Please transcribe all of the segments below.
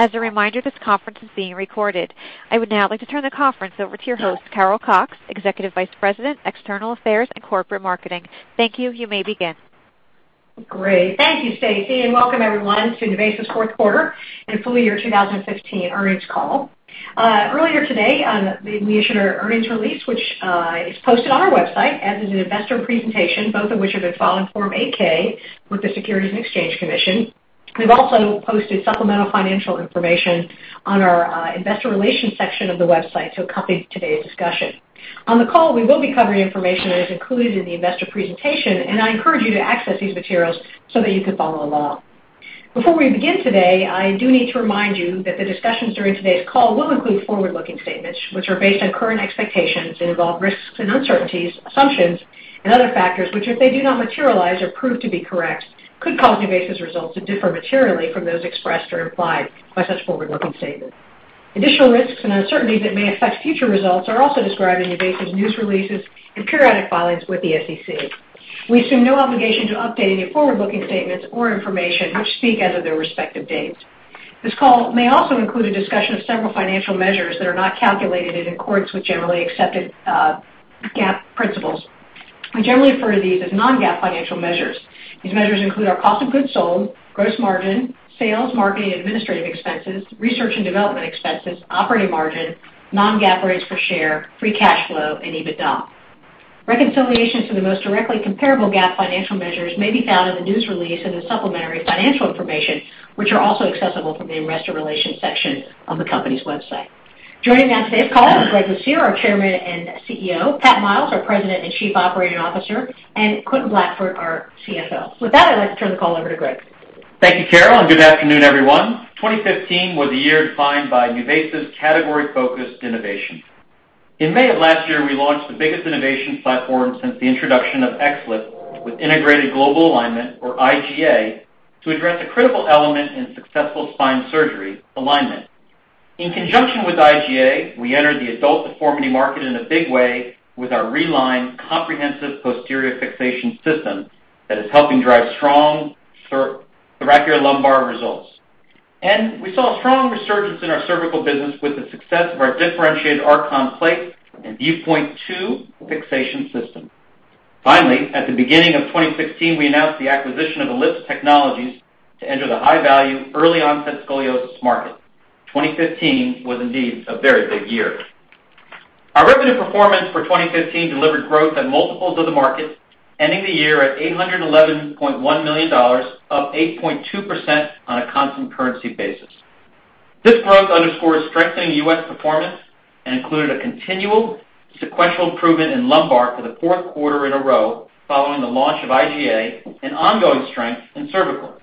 As a reminder, this conference is being recorded. I would now like to turn the conference over to your host, Carol Cox, Executive Vice President, External Affairs and Corporate Marketing. Thank you. You may begin. Great. Thank you, Stacy, and welcome everyone to NuVasive's fourth quarter and full year 2015 earnings call. Earlier today, we issued our earnings release, which is posted on our website as is an investor presentation, both of which have been filed in Form 8-K with the Securities and Exchange Commission. We've also posted supplemental financial information on our investor relations section of the website to accompany today's discussion. On the call, we will be covering information that is included in the investor presentation, and I encourage you to access these materials so that you can follow along. Before we begin today, I do need to remind you that the discussions during today's call will include forward-looking statements, which are based on current expectations and involve risks and uncertainties, assumptions, and other factors which, if they do not materialize or prove to be correct, could cause NuVasive's results to differ materially from those expressed or implied by such forward-looking statements. Additional risks and uncertainties that may affect future results are also described in NuVasive's news releases and periodic filings with the SEC. We assume no obligation to update any forward-looking statements or information which speak as of their respective dates. This call may also include a discussion of several financial measures that are not calculated in accordance with generally accepted GAAP principles. We generally refer to these as non-GAAP financial measures. These measures include our cost of goods sold, gross margin, sales, marketing, and administrative expenses, research and development expenses, operating margin, non-GAAP rates per share, free cash flow, and EBITDA. Reconciliations to the most directly comparable GAAP financial measures may be found in the news release and the supplementary financial information, which are also accessible from the investor relations section of the company's website. Joining me on today's call are Greg Lucero, our Chairman and CEO, Pat Miles, our President and Chief Operating Officer, and Quentin Blackford, our CFO. With that, I'd like to turn the call over to Greg. Thank you, Carol, and good afternoon, everyone. 2015 was a year defined by NuVasive's category-focused innovation. In May of last year, we launched the biggest innovation platform since the introduction of XLIF with Integrated Global Alignment, or IGA, to address a critical element in successful spine surgery: alignment. In conjunction with IGA, we entered the adult deformity market in a big way with our RELINE comprehensive posterior fixation system that is helping drive strong thoracolumbar results. We saw a strong resurgence in our cervical business with the success of our differentiated Archon plate and ViewPoint 2 fixation system. Finally, at the beginning of 2016, we announced the acquisition of Ellipse Technologies to enter the high-value, early-onset scoliosis market. 2015 was indeed a very big year. Our revenue performance for 2015 delivered growth at multiples of the market, ending the year at $811.1 million, up 8.2% on a constant currency basis. This growth underscores strengthening U.S. performance and included a continual, sequential improvement in lumbar for the fourth quarter in a row following the launch of IGA and ongoing strength in cervical.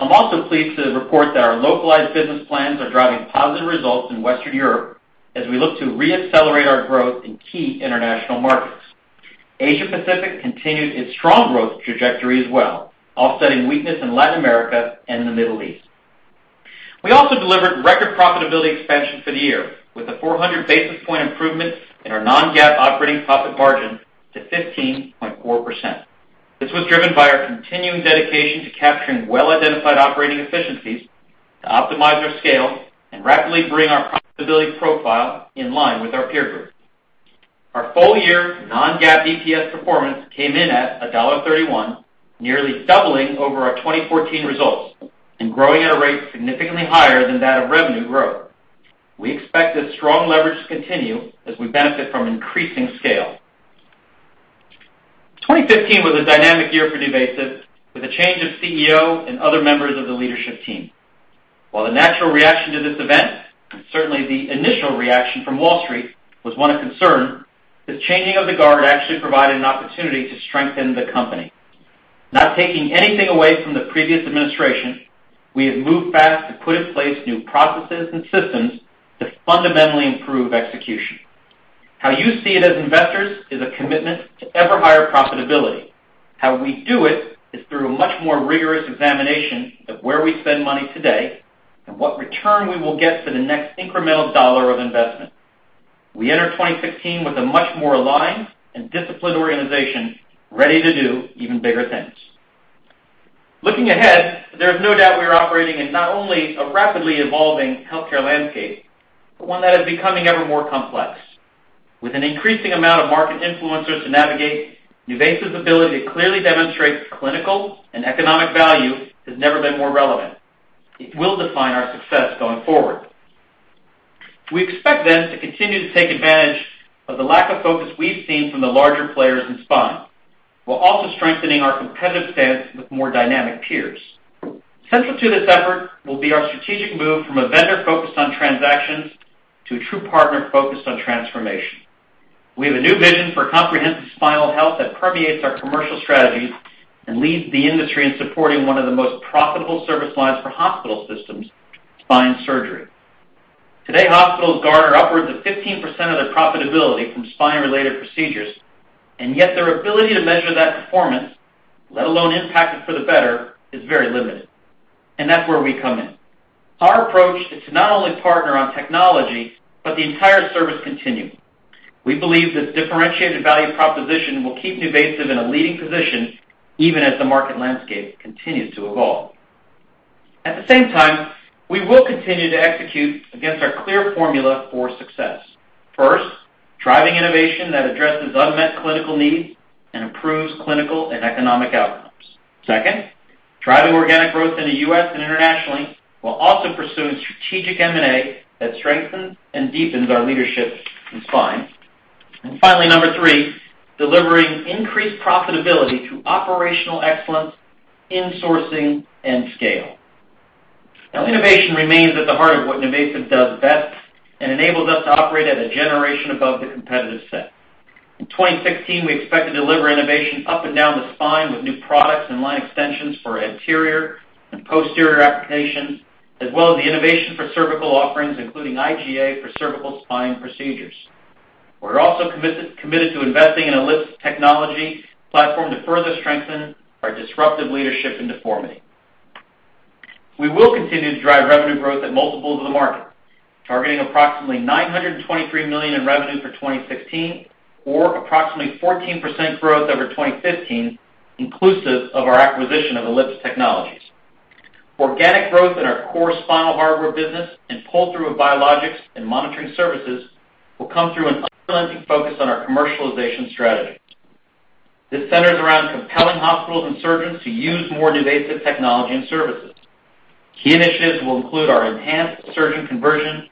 I'm also pleased to report that our localized business plans are driving positive results in Western Europe as we look to re-accelerate our growth in key international markets. Asia-Pacific continued its strong growth trajectory as well, offsetting weakness in Latin America and the Middle East. We also delivered record profitability expansion for the year, with a 400 basis point improvement in our non-GAAP operating profit margin to 15.4%. This was driven by our continuing dedication to capturing well-identified operating efficiencies to optimize our scale and rapidly bring our profitability profile in line with our peer group. Our full-year non-GAAP EPS performance came in at $1.31, nearly doubling over our 2014 results and growing at a rate significantly higher than that of revenue growth. We expect this strong leverage to continue as we benefit from increasing scale. 2015 was a dynamic year for NuVasive, with a change of CEO and other members of the leadership team. While the natural reaction to this event, and certainly the initial reaction from Wall Street, was one of concern, this changing of the guard actually provided an opportunity to strengthen the company. Not taking anything away from the previous administration, we have moved fast to put in place new processes and systems to fundamentally improve execution. How you see it as investors is a commitment to ever-higher profitability. How we do it is through a much more rigorous examination of where we spend money today and what return we will get for the next incremental dollar of investment. We enter 2016 with a much more aligned and disciplined organization ready to do even bigger things. Looking ahead, there is no doubt we are operating in not only a rapidly evolving healthcare landscape, but one that is becoming ever more complex. With an increasing amount of market influencers to navigate, NuVasive's ability to clearly demonstrate clinical and economic value has never been more relevant. It will define our success going forward. We expect then to continue to take advantage of the lack of focus we've seen from the larger players in spine, while also strengthening our competitive stance with more dynamic peers. Central to this effort will be our strategic move from a vendor focused on transactions to a true partner focused on transformation. We have a new vision for comprehensive spinal health that permeates our commercial strategy and leads the industry in supporting one of the most profitable service lines for hospital systems: spine surgery. Today, hospitals garner upwards of 15% of their profitability from spine-related procedures, and yet their ability to measure that performance, let alone impact it for the better, is very limited. That is where we come in. Our approach is to not only partner on technology but the entire service continuum. We believe this differentiated value proposition will keep NuVasive in a leading position even as the market landscape continues to evolve. At the same time, we will continue to execute against our clear formula for success. First, driving innovation that addresses unmet clinical needs and improves clinical and economic outcomes. Second, driving organic growth in the U.S. and internationally while also pursuing strategic M&A that strengthens and deepens our leadership in spine. Finally, number three, delivering increased profitability through operational excellence in sourcing and scale. Now, innovation remains at the heart of what NuVasive does best and enables us to operate at a generation above the competitive set. In 2016, we expect to deliver innovation up and down the spine with new products and line extensions for anterior and posterior applications, as well as the innovation for cervical offerings, including IGA for cervical spine procedures. We're also committed to investing in Ellipse Technologies platform to further strengthen our disruptive leadership in deformity. We will continue to drive revenue growth at multiples of the market, targeting approximately $923 million in revenue for 2016, or approximately 14% growth over 2015, inclusive of our acquisition of Ellipse Technologies. Organic growth in our core spinal hardware business and pull-through of biologics and monitoring services will come through an unrelenting focus on our commercialization strategy. This centers around compelling hospitals and surgeons to use more NuVasive technology and services. Key initiatives will include our enhanced surgeon conversion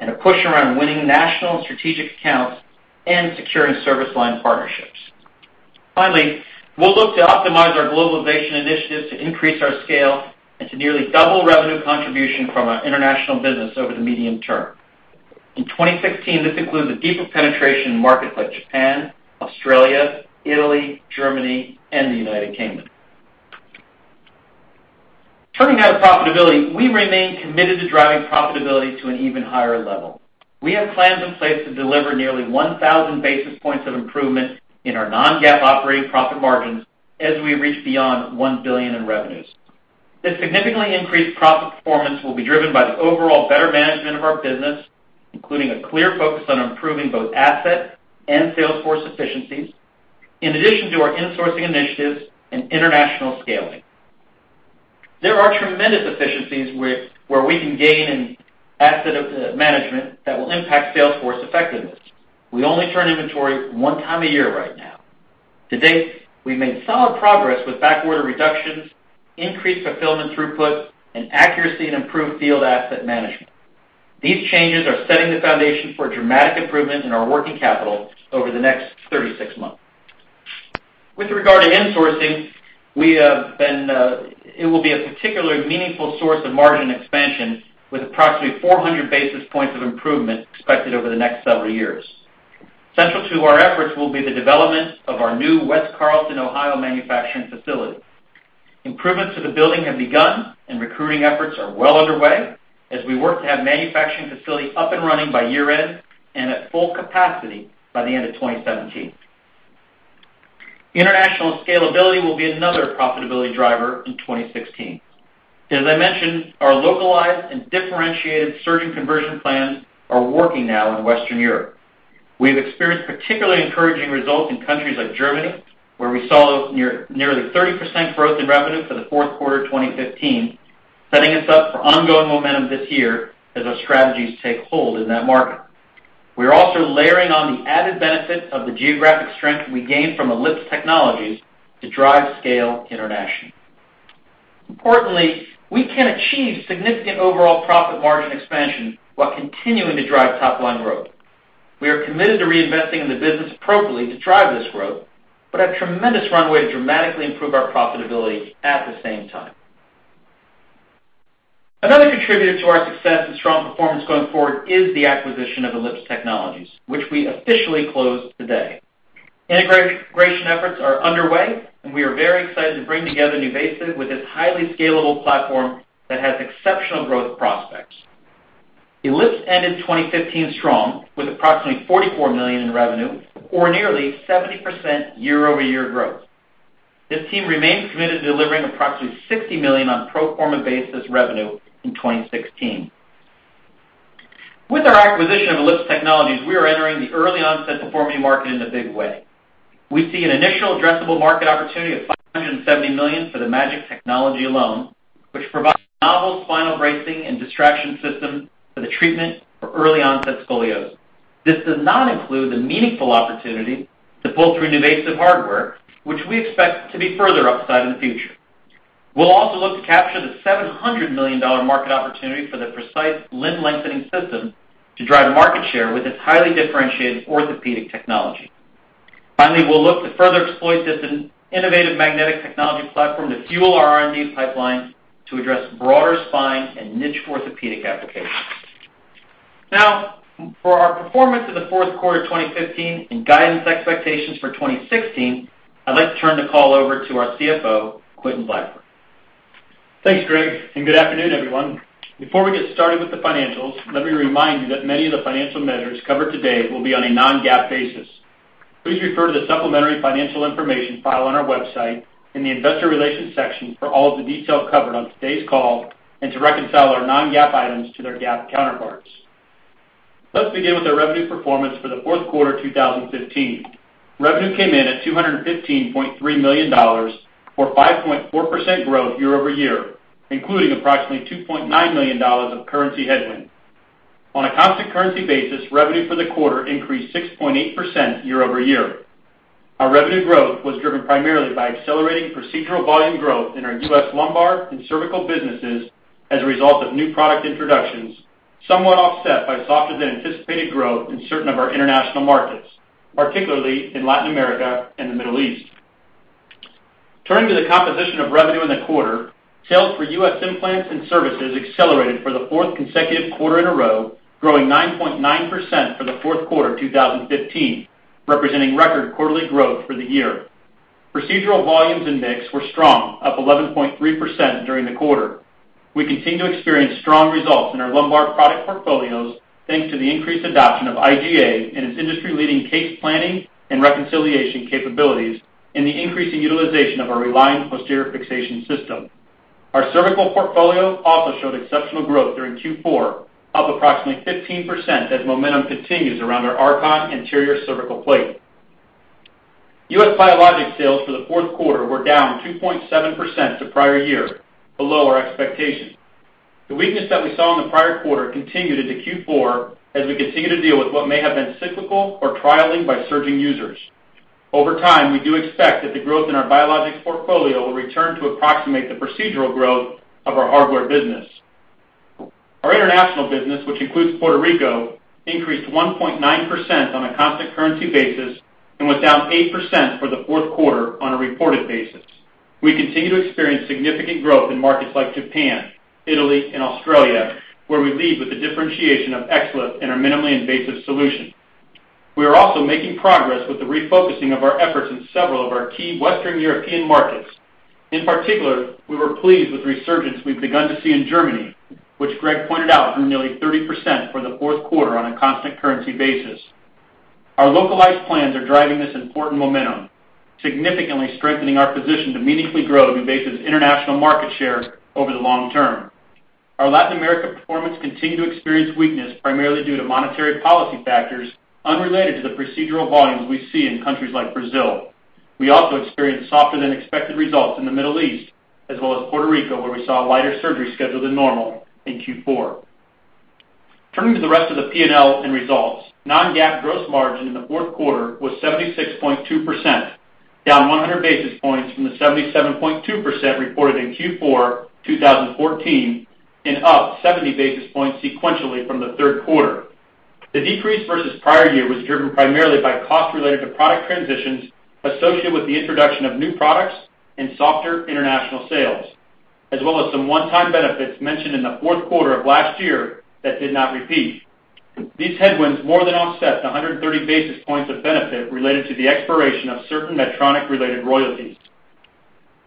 and a push around winning national and strategic accounts and securing service line partnerships. Finally, we'll look to optimize our globalization initiatives to increase our scale and to nearly double revenue contribution from our international business over the medium term. In 2016, this includes a deeper penetration in markets like Japan, Australia, Italy, Germany, and the U.K. Turning now to profitability, we remain committed to driving profitability to an even higher level. We have plans in place to deliver nearly 1,000 bps of improvement in our non-GAAP operating profit margins as we reach beyond $1 billion in revenues. This significantly increased profit performance will be driven by the overall better management of our business, including a clear focus on improving both asset and sales force efficiencies, in addition to our insourcing initiatives and international scaling. There are tremendous efficiencies where we can gain in asset management that will impact sales force effectiveness. We only turn inventory one time a year right now. To date, we've made solid progress with backorder reductions, increased fulfillment throughput, and accuracy in improved field asset management. These changes are setting the foundation for a dramatic improvement in our working capital over the next 36 months. With regard to insourcing, it will be a particularly meaningful source of margin expansion, with approximately 400 bps of improvement expected over the next several years. Central to our efforts will be the development of our new West Carrollton, Ohio, manufacturing facility. Improvements to the building have begun, and recruiting efforts are well underway as we work to have the manufacturing facility up and running by year-end and at full capacity by the end of 2017. International scalability will be another profitability driver in 2016. As I mentioned, our localized and differentiated surgeon conversion plans are working now in Western Europe. We've experienced particularly encouraging results in countries like Germany, where we saw nearly 30% growth in revenue for the fourth quarter of 2015, setting us up for ongoing momentum this year as our strategies take hold in that market. We are also layering on the added benefit of the geographic strength we gained from Ellipse Technologies to drive scale internationally. Importantly, we can achieve significant overall profit margin expansion while continuing to drive top-line growth. We are committed to reinvesting in the business appropriately to drive this growth but have tremendous runway to dramatically improve our profitability at the same time. Another contributor to our success and strong performance going forward is the acquisition of Ellipse Technologies, which we officially closed today. Integration efforts are underway, and we are very excited to bring together NuVasive with this highly scalable platform that has exceptional growth prospects. Ellipse ended 2015 strong with approximately $44 million in revenue, or nearly 70% year-over-year growth. This team remains committed to delivering approximately $60 million on a pro forma basis revenue in 2016. With our acquisition of Ellipse Technologies, we are entering the early-onset deformity market in a big way. We see an initial addressable market opportunity of $570 million for the Magic technology alone, which provides novel spinal bracing and distraction systems for the treatment for early-onset scoliosis. This does not include the meaningful opportunity to pull through NuVasive hardware, which we expect to be further upside in the future. We'll also look to capture the $700 million market opportunity for the Precise limb lengthening system to drive market share with this highly differentiated orthopedic technology. Finally, we'll look to further exploit this innovative magnetic technology platform to fuel our R&D pipeline to address broader spine and niche orthopedic applications. Now, for our performance in the fourth quarter of 2015 and guidance expectations for 2016, I'd like to turn the call over to our CFO, Quentin Blackford. Thanks, Greg, and good afternoon, everyone. Before we get started with the financials, let me remind you that many of the financial measures covered today will be on a non-GAAP basis. Please refer to the supplementary financial information filed on our website in the investor relations section for all of the details covered on today's call and to reconcile our non-GAAP items to their GAAP counterparts. Let's begin with our revenue performance for the fourth quarter of 2015. Revenue came in at $215.3 million for 5.4% growth year-over-year, including approximately $2.9 million of currency headwind. On a constant currency basis, revenue for the quarter increased 6.8% year-over-year. Our revenue growth was driven primarily by accelerating procedural volume growth in our U.S. Lumbar and cervical businesses as a result of new product introductions, somewhat offset by softer-than-anticipated growth in certain of our international markets, particularly in Latin America and the Middle East. Turning to the composition of revenue in the quarter, sales for U.S. implants and services accelerated for the fourth consecutive quarter in a row, growing 9.9% for the fourth quarter of 2015, representing record quarterly growth for the year. Procedural volumes and mix were strong, up 11.3% during the quarter. We continue to experience strong results in our lumbar product portfolios thanks to the increased adoption of IGA and its industry-leading case planning and reconciliation capabilities and the increasing utilization of our Reline posterior fixation system. Our cervical portfolio also showed exceptional growth during Q4, up approximately 15% as momentum continues around our Archon anterior cervical plate. U.S. Biologics sales for the fourth quarter were down 2.7% to prior year, below our expectations. The weakness that we saw in the prior quarter continued into Q4 as we continue to deal with what may have been cyclical or trialing by surging users. Over time, we do expect that the growth in our biologics portfolio will return to approximate the procedural growth of our hardware business. Our international business, which includes Puerto Rico, increased 1.9% on a constant currency basis and was down 8% for the fourth quarter on a reported basis. We continue to experience significant growth in markets like Japan, Italy, and Australia, where we lead with the differentiation of XLIF in our minimally invasive solution. We are also making progress with the refocusing of our efforts in several of our key Western European markets. In particular, we were pleased with resurgence we've begun to see in Germany, which Greg pointed out grew nearly 30% for the fourth quarter on a constant currency basis. Our localized plans are driving this important momentum, significantly strengthening our position to meaningfully grow NuVasive's international market share over the long term. Our Latin America performance continued to experience weakness primarily due to monetary policy factors unrelated to the procedural volumes we see in countries like Brazil. We also experienced softer-than-expected results in the Middle East, as well as Puerto Rico, where we saw a lighter surgery schedule than normal in Q4. Turning to the rest of the P&L and results, non-GAAP gross margin in the fourth quarter was 76.2%, down 100 bps from the 77.2% reported in Q4 2014, and up 70 bps sequentially from the third quarter. The decrease versus prior year was driven primarily by cost-related to product transitions associated with the introduction of new products and softer international sales, as well as some one-time benefits mentioned in the fourth quarter of last year that did not repeat. These headwinds more than offset the 130 bps of benefit related to the expiration of certain Medtronic-related royalties.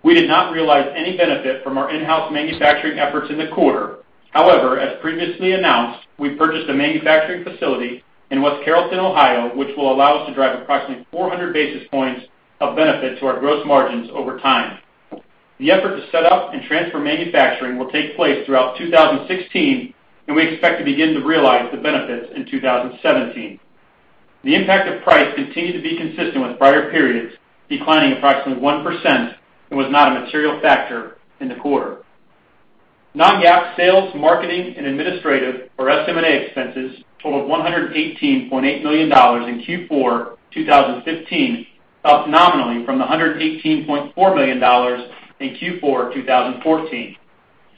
We did not realize any benefit from our in-house manufacturing efforts in the quarter. However, as previously announced, we purchased a manufacturing facility in West Carrollton, Ohio, which will allow us to drive approximately 400 bps of benefit to our gross margins over time. The effort to set up and transfer manufacturing will take place throughout 2016, and we expect to begin to realize the benefits in 2017. The impact of price continued to be consistent with prior periods, declining approximately 1% and was not a material factor in the quarter. Non-GAAP sales, marketing, and administrative or SM&A expenses totaled $118.8 million in Q4 2015, up nominally from the $118.4 million in Q4 2014.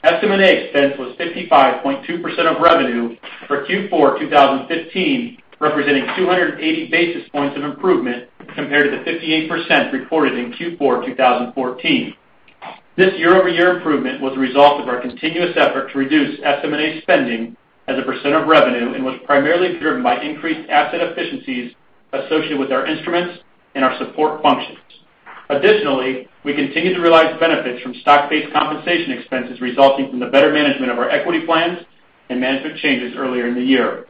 SM&A expense was 55.2% of revenue for Q4 2015, representing 280 bps of improvement compared to the 58% reported in Q4 2014. This year-over-year improvement was the result of our continuous effort to reduce SM&A spending as a percent of revenue and was primarily driven by increased asset efficiencies associated with our instruments and our support functions. Additionally, we continue to realize benefits fpsrom stock-based compensation expenses resulting from the better management of our equity plans and management changes earlier in the year.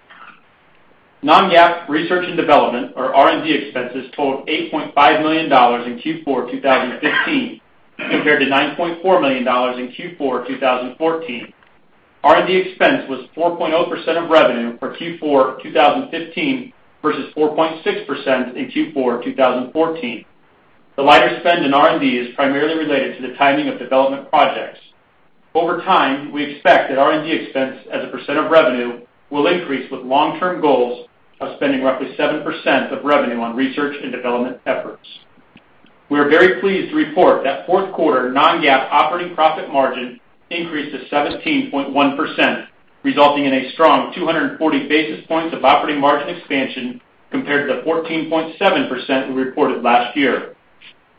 Non-GAAP research and development, or R&D expenses, totaled $8.5 million in Q4 2015 compared to $9.4 million in Q4 2014. R&D expense was 4.0% of revenue for Q4 2015 versus 4.6% in Q4 2014. The lighter spend in R&D is primarily related to the timing of development projects. Over time, we expect that R&D expense as a percent of revenue will increase with long-term goals of spending roughly 7% of revenue on research and development efforts. We are very pleased to report that fourth quarter non-GAAP operating profit margin increased to 17.1%, resulting in a strong 240 bps of operating margin expansion compared to the 14.7% we reported last year.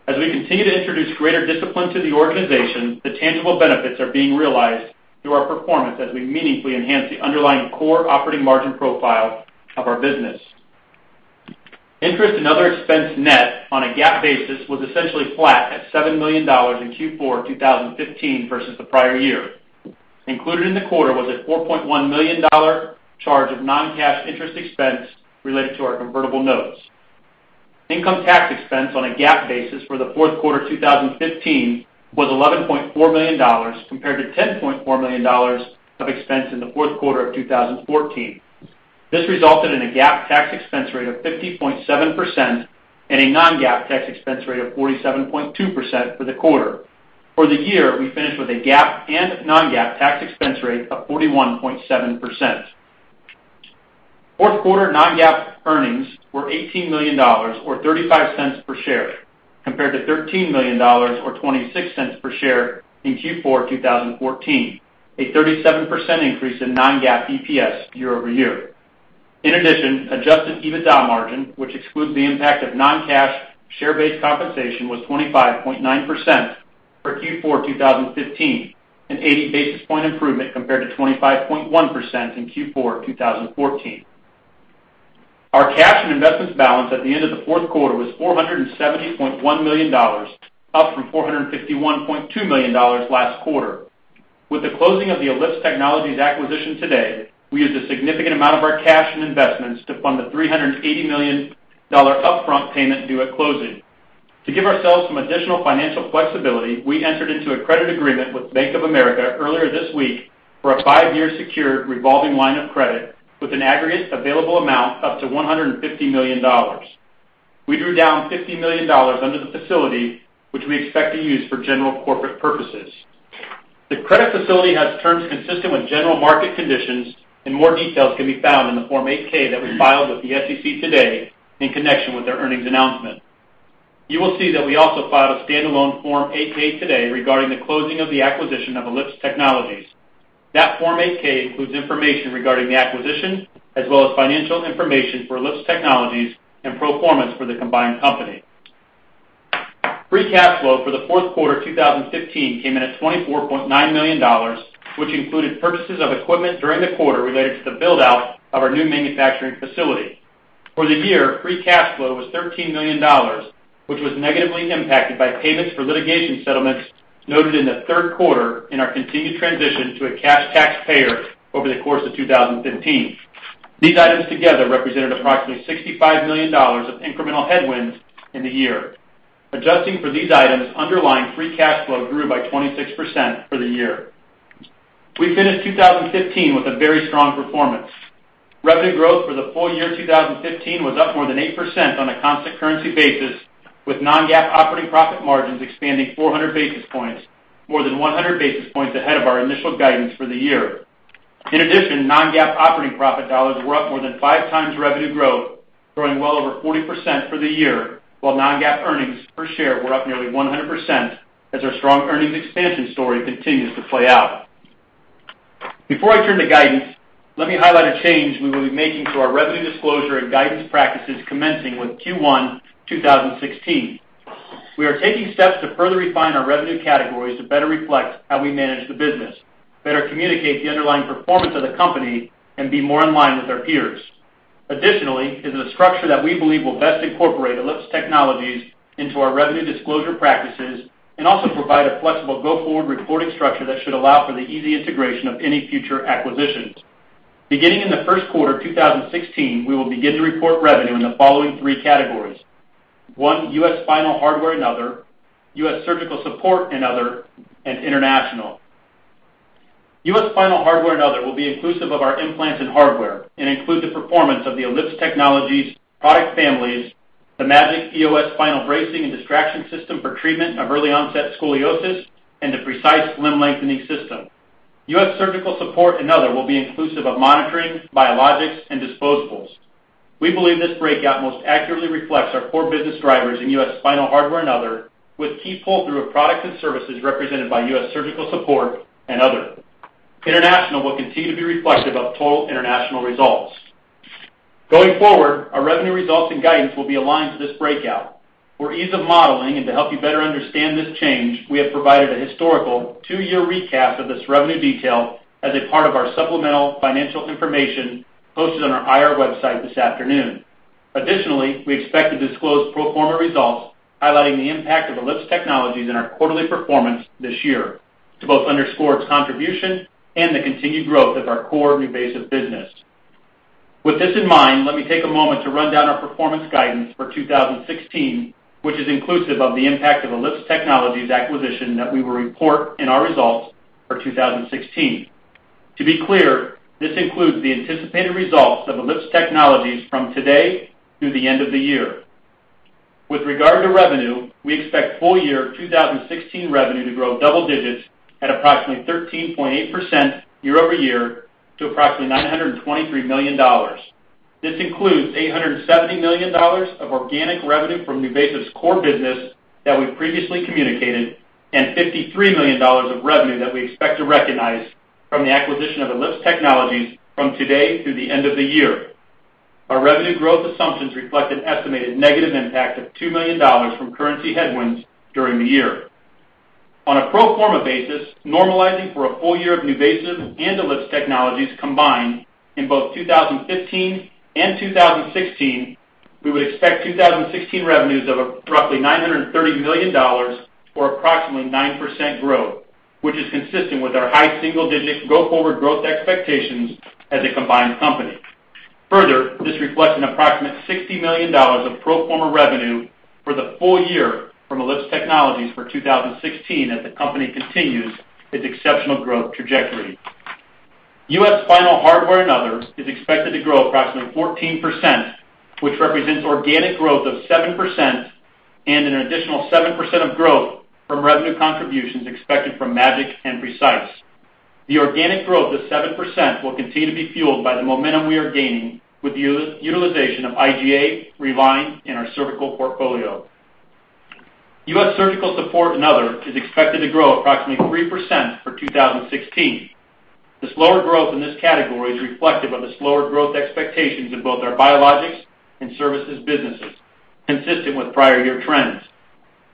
As we continue to introduce greater discipline to the organization, the tangible benefits are being realized through our performance as we meaningfully enhance the underlying core operating margin profile of our business. Interest and other expense net on a GAAP basis was essentially flat at $7 million in Q4 2015 versus the prior year. Included in the quarter was a $4.1 million charge of non-cash interest expense related to our convertible notes. Income tax expense on a GAAP basis for the fourth quarter of 2015 was $11.4 million compared to $10.4 million of expense in the fourth quarter of 2014. This resulted in a GAAP tax expense rate of 50.7% and a non-GAAP tax expense rate of 47.2% for the quarter. For the year, we finished with a GAAP and non-GAAP tax expense rate of 41.7%. Fourth quarter non-GAAP earnings were $18 million, or $0.35 per share, compared to $13 million, or $0.26 per share in Q4 2014, a 37% increase in non-GAAP EPS year-over-year. In addition, adjusted EBITDA margin, which excludes the impact of non-cash share-based compensation, was 25.9% for Q4 2015, an 80 bps improvement compared to 25.1% in Q4 2014. Our cash and investments balance at the end of the fourth quarter was $470.1 million, up from $451.2 million last quarter. With the closing of the Ellipse Technologies acquisition today, we used a significant amount of our cash and investments to fund the $380 million upfront payment due at closing. To give ourselves some additional financial flexibility, we entered into a credit agreement with Bank of America earlier this week for a five-year secured revolving line of credit with an aggregate available amount up to $150 million. We drew down $50 million under the facility, which we expect to use for general corporate purposes. The credit facility has terms consistent with general market conditions, and more details can be found in the Form 8-K that we filed with the SEC today in connection with their earnings announcement. You will see that we also filed a standalone Form 8-K today regarding the closing of the acquisition of Ellipse Technologies. That Form 8-K includes information regarding the acquisition as well as financial information for Ellipse Technologies and pro formas for the combined company. Free cash flow for the fourth quarter of 2015 came in at $24.9 million, which included purchases of equipment during the quarter related to the build-out of our new manufacturing facility. For the year, free cash flow was $13 million, which was negatively impacted by payments for litigation settlements noted in the third quarter in our continued transition to a cash taxpayer over the course of 2015. These items together represented approximately $65 million of incremental headwinds in the year. Adjusting for these items, underlying free cash flow grew by 26% for the year. We finished 2015 with a very strong performance. Revenue growth for the full year 2015 was up more than 8% on a constant currency basis, with non-GAAP operating profit margins expanding 400 bps, more than 100 bps ahead of our initial guidance for the year. In addition, non-GAAP operating profit dollars were up more than five times revenue growth, growing well over 40% for the year, while non-GAAP earnings per share were up nearly 100% as our strong earnings expansion story continues to play out. Before I turn to guidance, let me highlight a change we will be making to our revenue disclosure and guidance practices commencing with Q1 2016. We are taking steps to further refine our revenue categories to better reflect how we manage the business, better communicate the underlying performance of the company, and be more in line with our peers. Additionally, it is a structure that we believe will best incorporate Ellipse Technologies into our revenue disclosure practices and also provide a flexible go-forward reporting structure that should allow for the easy integration of any future acquisitions. Beginning in the first quarter of 2016, we will begin to report revenue in the following three categories: one, U.S. final hardware and other; two, U.S. surgical support and other; and three, international. U.S. final hardware and other will be inclusive of our implants and hardware and include the performance of the Ellipse Technologies product families, the Magic EOS final bracing and distraction system for treatment of early-onset scoliosis, and the Precise limb lengthening system. U.S. surgical support and other will be inclusive of monitoring, biologics, and disposables. We believe this breakout most accurately reflects our core business drivers in the U.S. Final hardware and other, with key pull-through of products and services represented by U.S. surgical support and other. International will continue to be reflective of total international results. Going forward, our revenue results and guidance will be aligned to this breakout. For ease of modeling and to help you better understand this change, we have provided a historical two-year recap of this revenue detail as a part of our supplemental financial information posted on our IR website this afternoon. Additionally, we expect to disclose pro forma results highlighting the impact of Ellipse Technologies in our quarterly performance this year to both underscore its contribution and the continued growth of our core NuVasive business. With this in mind, let me take a moment to run down our performance guidance for 2016, which is inclusive of the impact of Ellipse Technologies acquisition that we will report in our results for 2016. To be clear, this includes the anticipated results of Ellipse Technologies from today through the end of the year. With regard to revenue, we expect full year 2016 revenue to grow double digits at approximately 13.8% year-over-year to approximately $923 million. This includes $870 million of organic revenue from NuVasive's core business that we previously communicated and $53 million of revenue that we expect to recognize from the acquisition of Ellipse Technologies from today through the end of the year. Our revenue growth assumptions reflect an estimated negative impact of $2 million from currency headwinds during the year. On a pro forma basis, normalizing for a full year of NuVasive and Ellipse Technologies combined in both 2015 and 2016, we would expect 2016 revenues of roughly $930 million or approximately 9% growth, which is consistent with our high single-digit go-forward growth expectations as a combined company. Further, this reflects an approximate $60 million of pro forma revenue for the full year from Ellipse Technologies for 2016 as the company continues its exceptional growth trajectory. U.S. final hardware and other is expected to grow approximately 14%, which represents organic growth of 7% and an additional 7% of growth from revenue contributions expected from Magic and Precise. The organic growth of 7% will continue to be fueled by the momentum we are gaining with the utilization of IGA Rewind in our cervical portfolio. U.S. surgical support and other is expected to grow approximately 3% for 2016. The slower growth in this category is reflective of the slower growth expectations of both our biologics and services businesses, consistent with prior year trends.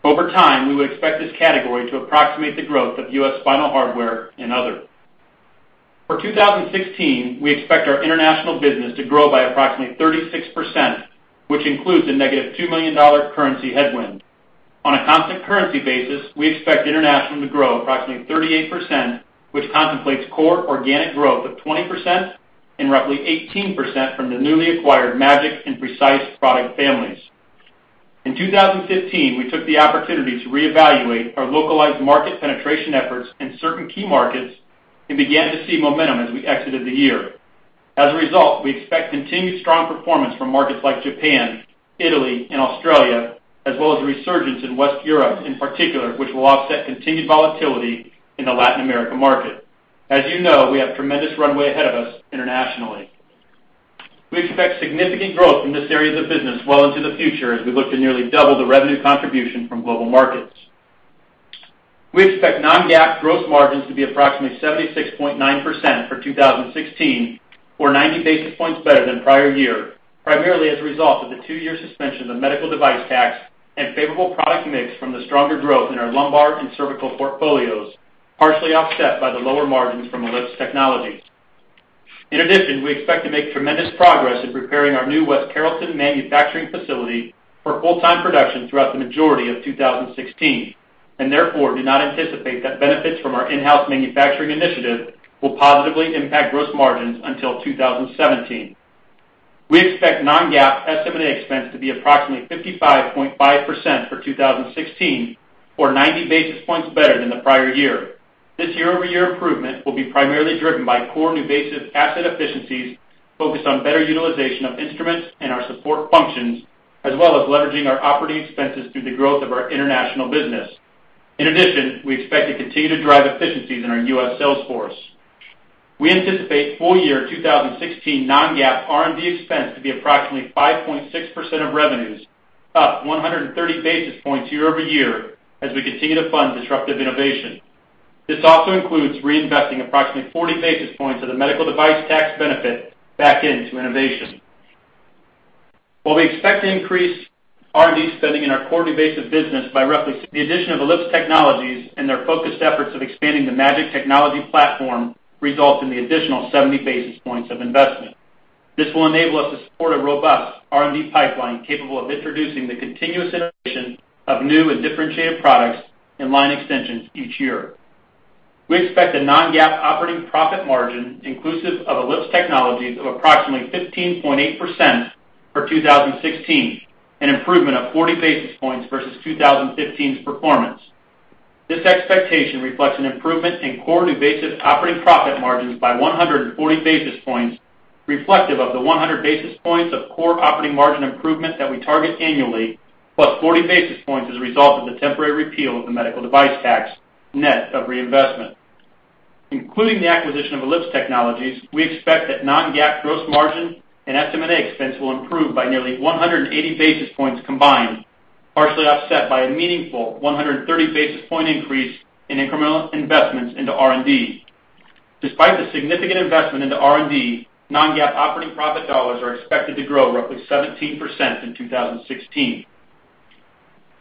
Over time, we would expect this category to approximate the growth of U.S. final hardware and other. For 2016, we expect our international business to grow by approximately 36%, which includes a negative $2 million currency headwind. On a constant currency basis, we expect international to grow approximately 38%, which contemplates core organic growth of 20% and roughly 18% from the newly acquired Magic and Precise product families. In 2015, we took the opportunity to reevaluate our localized market penetration efforts in certain key markets and began to see momentum as we exited the year. As a result, we expect continued strong performance from markets like Japan, Italy, and Australia, as well as a resurgence in Western Europe in particular, which will offset continued volatility in the Latin America market. As you know, we have tremendous runway ahead of us internationally. We expect significant growth in this area of the business well into the future as we look to nearly double the revenue contribution from global markets. We expect non-GAAP gross margins to be approximately 76.9% for 2016, or 90 bps better than prior year, primarily as a result of the two-year suspension of medical device tax and favorable product mix from the stronger growth in our lumbar and cervical portfolios, partially offset by the lower margins from Ellipse Technologies. In addition, we expect to make tremendous progress in preparing our new West Carrollton manufacturing facility for full-time production throughout the majority of 2016, and therefore do not anticipate that benefits from our in-house manufacturing initiative will positively impact gross margins until 2017. We expect non-GAAP estimated expense to be approximately 55.5% for 2016, or 90 bps better than the prior year. This year-over-year improvement will be primarily driven by core NuVasive asset efficiencies focused on better utilization of instruments and our support functions, as well as leveraging our operating expenses through the growth of our international business. In addition, we expect to continue to drive efficiencies in our U.S. sales force. We anticipate full year 2016 non-GAAP R&D expense to be approximately 5.6% of revenues, up 130 bps year-over-year as we continue to fund disruptive innovation. This also includes reinvesting approximately 40 bps of the medical device tax benefit back into innovation. While we expect to increase R&D spending in our core NuVasive business by roughly. The addition of Ellipse Technologies and their focused efforts of expanding the Magic Technology platform results in the additional 70 bps of investment. This will enable us to support a robust R&D pipeline capable of introducing the continuous innovation of new and differentiated products in line extensions each year. We expect a non-GAAP operating profit margin inclusive of Ellipse Technologies of approximately 15.8% for 2016, an improvement of 40 bps versus 2015's performance. This expectation reflects an improvement in core NuVasive operating profit margins by 140 bps, reflective of the 100 bps of core operating margin improvement that we target annually, plus 40 bps as a result of the temporary repeal of the medical device tax net of reinvestment. Including the acquisition of Ellipse Technologies, we expect that non-GAAP gross margin and estimated expense will improve by nearly 180 bps combined, partially offset by a meaningful 130 bps increase in incremental investments into R&D. Despite the significant investment into R&D, non-GAAP operating profit dollars are expected to grow roughly 17% in 2016.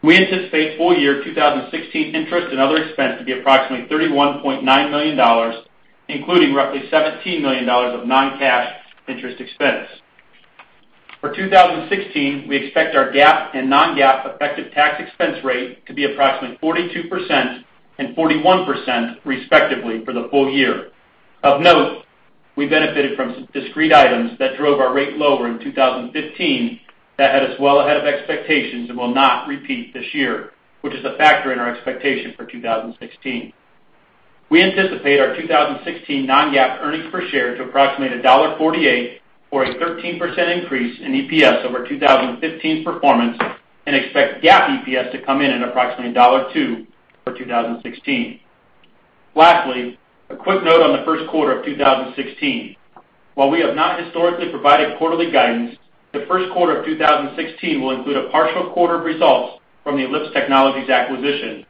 We anticipate full year 2016 interest and other expense to be approximately $31.9 million, including roughly $17 million of non-cash interest expense. For 2016, we expect our GAAP and non-GAAP effective tax expense rate to be approximately 42% and 41% respectively for the full year. Of note, we benefited from some discrete items that drove our rate lower in 2015 that had us well ahead of expectations and will not repeat this year, which is a factor in our expectation for 2016. We anticipate our 2016 non-GAAP earnings per share to approximate $1.48 for a 13% increase in EPS over 2015's performance and expect GAAP EPS to come in at approximately $1.02 for 2016. Lastly, a quick note on the first quarter of 2016. While we have not historically provided quarterly guidance, the first quarter of 2016 will include a partial quarter of results from the Ellipse Technologies acquisition.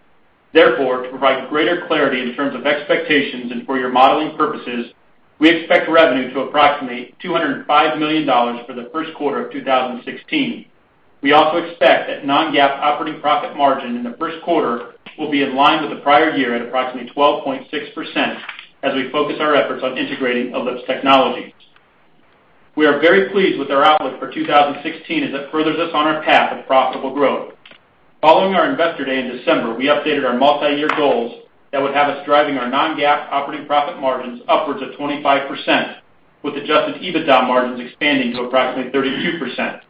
Therefore, to provide greater clarity in terms of expectations and for your modeling purposes, we expect revenue to approximate $205 million for the first quarter of 2016. We also expect that non-GAAP operating profit margin in the first quarter will be in line with the prior year at approximately 12.6% as we focus our efforts on integrating Ellipse Technologies. We are very pleased with our outlook for 2016 as it furthers us on our path of profitable growth. Following our investor day in December, we updated our multi-year goals that would have us driving our non-GAAP operating profit margins upwards of 25%, with adjusted EBITDA margins expanding to approximately 32%.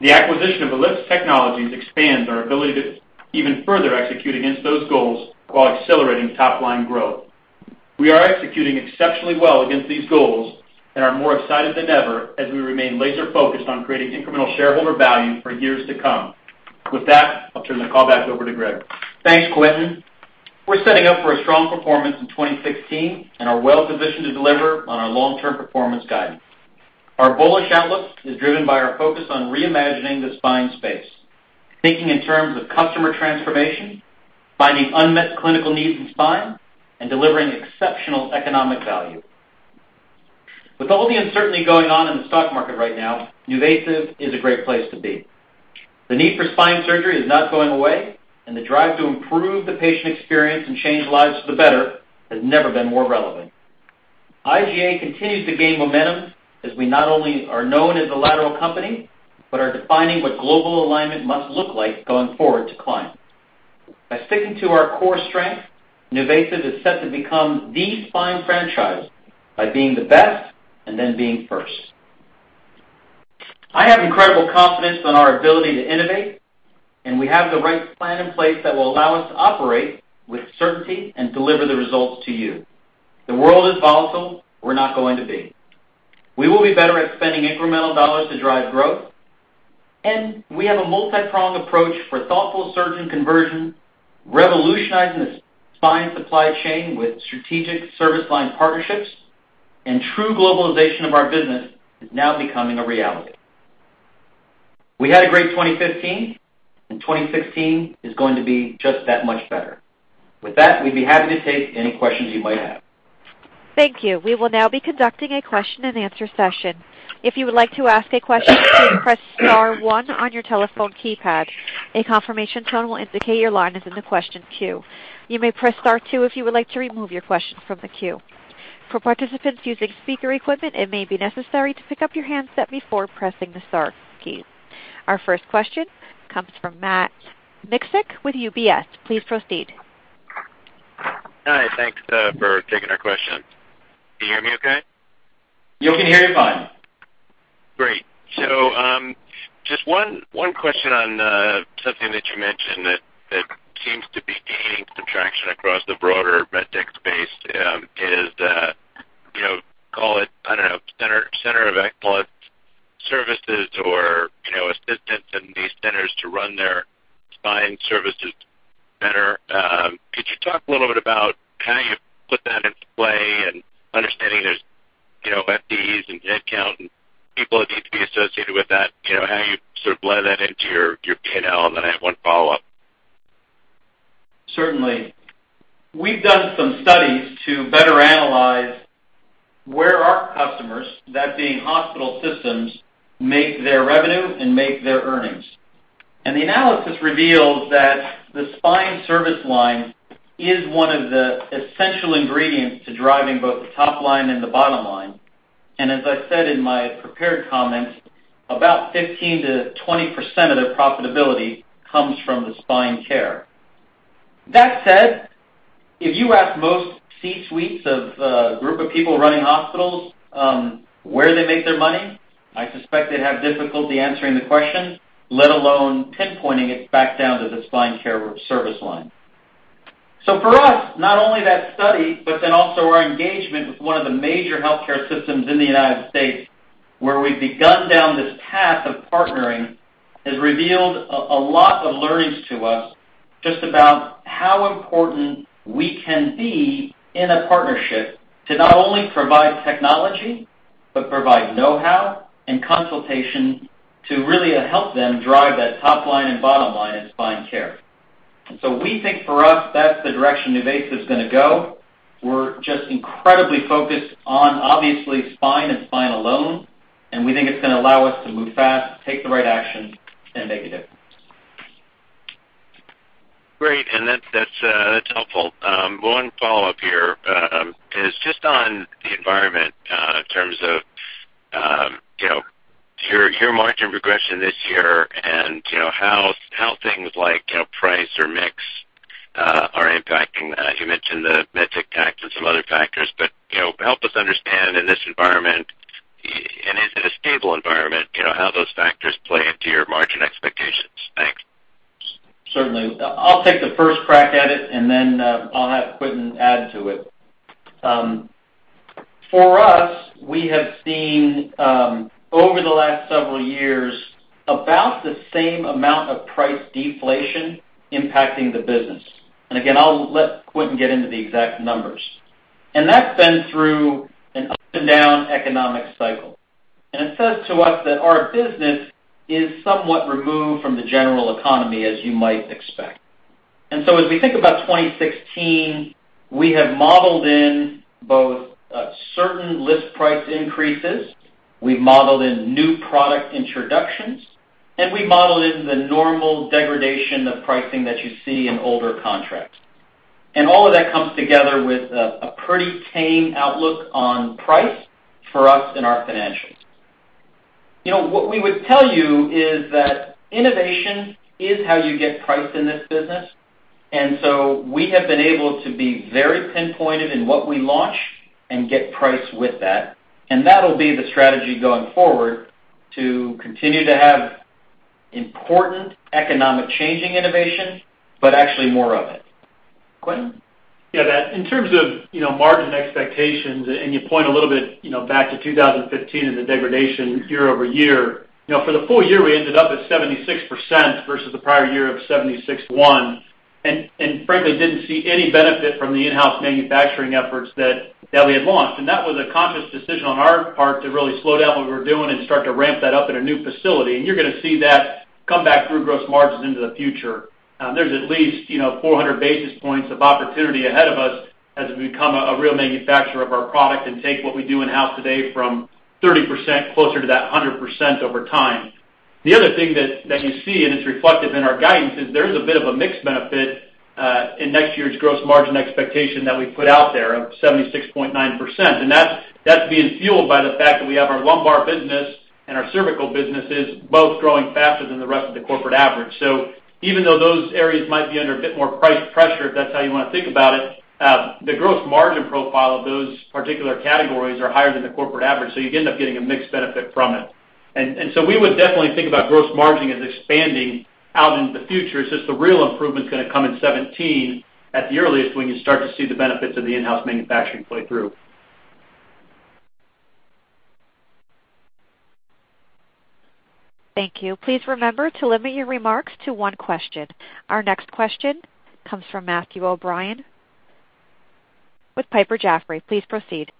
The acquisition of Ellipse Technologies expands our ability to even further execute against those goals while accelerating top-line growth. We are executing exceptionally well against these goals and are more excited than ever as we remain laser-focused on creating incremental shareholder value for years to come. With that, I'll turn the call back over to Greg. Thanks, Quentin. We're setting up for a strong performance in 2016 and are well-positioned to deliver on our long-term performance guidance. Our bullish outlook is driven by our focus on reimagining the spine space, thinking in terms of customer transformation, finding unmet clinical needs in spine, and delivering exceptional economic value. With all the uncertainty going on in the stock market right now, NuVasive is a great place to be. The need for spine surgery is not going away, and the drive to improve the patient experience and change lives for the better has never been more relevant. IGA continues to gain momentum as we not only are known as a lateral company but are defining what global alignment must look like going forward to clients. By sticking to our core strength, NuVasive is set to become the spine franchise by being the best and then being first. I have incredible confidence in our ability to innovate, and we have the right plan in place that will allow us to operate with certainty and deliver the results to you. The world is volatile. We're not going to be. We will be better at spending incremental dollars to drive growth, and we have a multi-pronged approach for thoughtful surge and conversion, revolutionizing the spine supply chain with strategic service line partnerships, and true globalization of our business is now becoming a reality. We had a great 2015, and 2016 is going to be just that much better. With that, we'd be happy to take any questions you might have. Thank you. We will now be conducting a question-and-answer session. If you would like to ask a question, please press star one on your telephone keypad. A confirmation tone will indicate your line is in the question queue. You may press star two if you would like to remove your question from the queue. For participants using speaker equipment, it may be necessary to pick up your handset before pressing the star key. Our first question comes from Matt Miksic with UBS. Please proceed. Hi. Thanks for taking our question. Can you hear me okay? You can hear me fine. Great. Just one question on something that you mentioned that seems to be gaining some traction across the broader med tech space is, call it, I do not know, center of excellence services or assistance in these centers to run their spine services better. Could you talk a little bit about how you put that into play and understanding there are FDEs and headcount and people that need to be associated with that? How you sort of blend that into your P&L, and then I have one follow-up. Certainly. We have done some studies to better analyze where our customers, that being hospital systems, make their revenue and make their earnings. The analysis reveals that the spine service line is one of the essential ingredients to driving both the top line and the bottom line. As I said in my prepared comments, about 15%-20% of their profitability comes from the spine care. That said, if you ask most C-suites of a group of people running hospitals where they make their money, I suspect they'd have difficulty answering the question, let alone pinpointing it back down to the spine care service line. For us, not only that study, but then also our engagement with one of the major healthcare systems in the United States, where we've begun down this path of partnering, has revealed a lot of learnings to us just about how important we can be in a partnership to not only provide technology but provide know-how and consultation to really help them drive that top line and bottom line in spine care. We think for us that's the direction NuVasive is going to go. We're just incredibly focused on, obviously, spine and spine alone, and we think it's going to allow us to move fast, take the right action, and make a difference. Great. That's helpful. One follow-up here is just on the environment in terms of your margin progression this year and how things like price or mix are impacting that. You mentioned the med tech tax and some other factors, but help us understand in this environment, and is it a stable environment, how those factors play into your margin expectations. Thanks. Certainly. I'll take the first crack at it, and then I'll have Quentin add to it. For us, we have seen over the last several years about the same amount of price deflation impacting the business. Again, I'll let Quentin get into the exact numbers. That has been through an up-and-down economic cycle. It says to us that our business is somewhat removed from the general economy, as you might expect. As we think about 2016, we have modeled in both certain list price increases, we've modeled in new product introductions, and we've modeled in the normal degradation of pricing that you see in older contracts. All of that comes together with a pretty tame outlook on price for us in our financials. What we would tell you is that innovation is how you get price in this business. We have been able to be very pinpointed in what we launch and get price with that. That will be the strategy going forward to continue to have important economic changing innovation, but actually more of it. Quentin? Yeah. In terms of margin expectations, and you point a little bit back to 2015 and the degradation year-over-year, for the full year, we ended up at 76% versus the prior year of 76.1%, and frankly, did not see any benefit from the in-house manufacturing efforts that we had launched. That was a conscious decision on our part to really slow down what we were doing and start to ramp that up at a new facility. You're going to see that come back through gross margins into the future. There's at least 400 bps of opportunity ahead of us as we become a real manufacturer of our product and take what we do in-house today from 30% closer to that 100% over time. The other thing that you see, and it's reflective in our guidance, is there is a bit of a mixed benefit in next year's gross margin expectation that we put out there of 76.9%. That's being fueled by the fact that we have our lumbar business and our cervical businesses both growing faster than the rest of the corporate average. Even though those areas might be under a bit more price pressure, if that's how you want to think about it, the gross margin profile of those particular categories are higher than the corporate average. You end up getting a mixed benefit from it. We would definitely think about gross margin as expanding out into the future. It's just the real improvement is going to come in 2017 at the earliest when you start to see the benefits of the in-house manufacturing play through. Thank you. Please remember to limit your remarks to one question. Our next question comes from Matthew O'Brien with Piper Jaffray. Please proceed.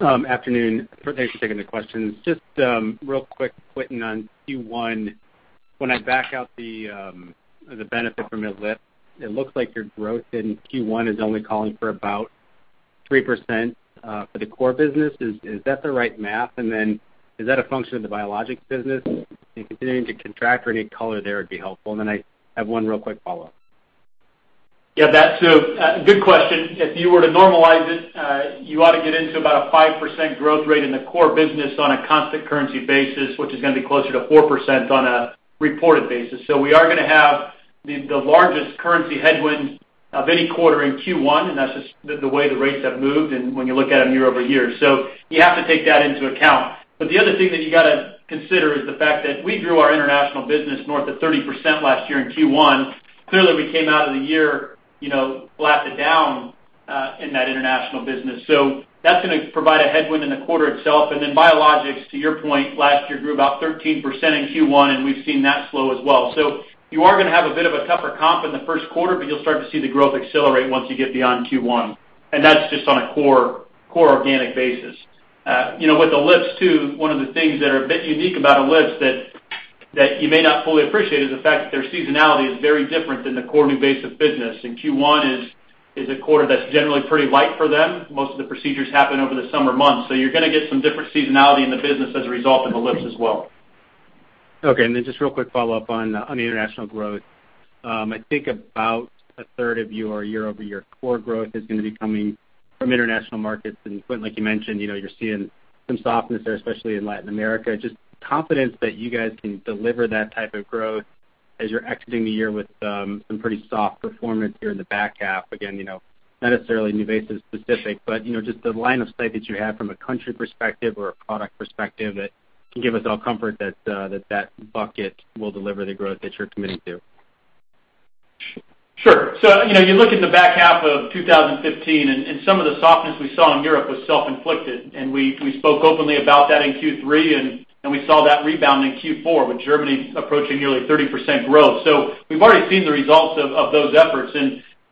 Afternoon. Thanks for taking the questions. Just real quick, Quentin, on Q1, when I back out the benefit from Ellipse, it looks like your growth in Q1 is only calling for about 3% for the core business. Is that the right math? Is that a function of the biologics business? If you're continuing to contract or any color there, it'd be helpful. I have one real quick follow-up. Yeah. That's a good question. If you were to normalize it, you ought to get into about a 5% growth rate in the core business on a constant currency basis, which is going to be closer to 4% on a reported basis. We are going to have the largest currency headwind of any quarter in Q1, and that's just the way the rates have moved and when you look at them year-over-year. You have to take that into account. The other thing that you got to consider is the fact that we grew our international business north of 30% last year in Q1. Clearly, we came out of the year flattened down in that international business. That's going to provide a headwind in the quarter itself. Then biologics, to your point, last year grew about 13% in Q1, and we've seen that slow as well. You are going to have a bit of a tougher comp in the first quarter, but you'll start to see the growth accelerate once you get beyond Q1. That's just on a core organic basis. With Ellipse, too, one of the things that are a bit unique about Ellipse that you may not fully appreciate is the fact that their seasonality is very different than the core NuVasive business. Q1 is a quarter that's generally pretty light for them. Most of the procedures happen over the summer months. You're going to get some different seasonality in the business as a result of Ellipse as well. Okay. Just real quick follow-up on the international growth. I think about a third of your year-over-year core growth is going to be coming from international markets. Quentin, like you mentioned, you're seeing some softness there, especially in Latin America. Just confidence that you guys can deliver that type of growth as you're exiting the year with some pretty soft performance here in the back half. Again, not necessarily NuVasive specific, but just the line of sight that you have from a country perspective or a product perspective that can give us all comfort that that bucket will deliver the growth that you're committing to. Sure. You look at the back half of 2015, and some of the softness we saw in Europe was self-inflicted. We spoke openly about that in Q3, and we saw that rebound in Q4 with Germany approaching nearly 30% growth. We've already seen the results of those efforts.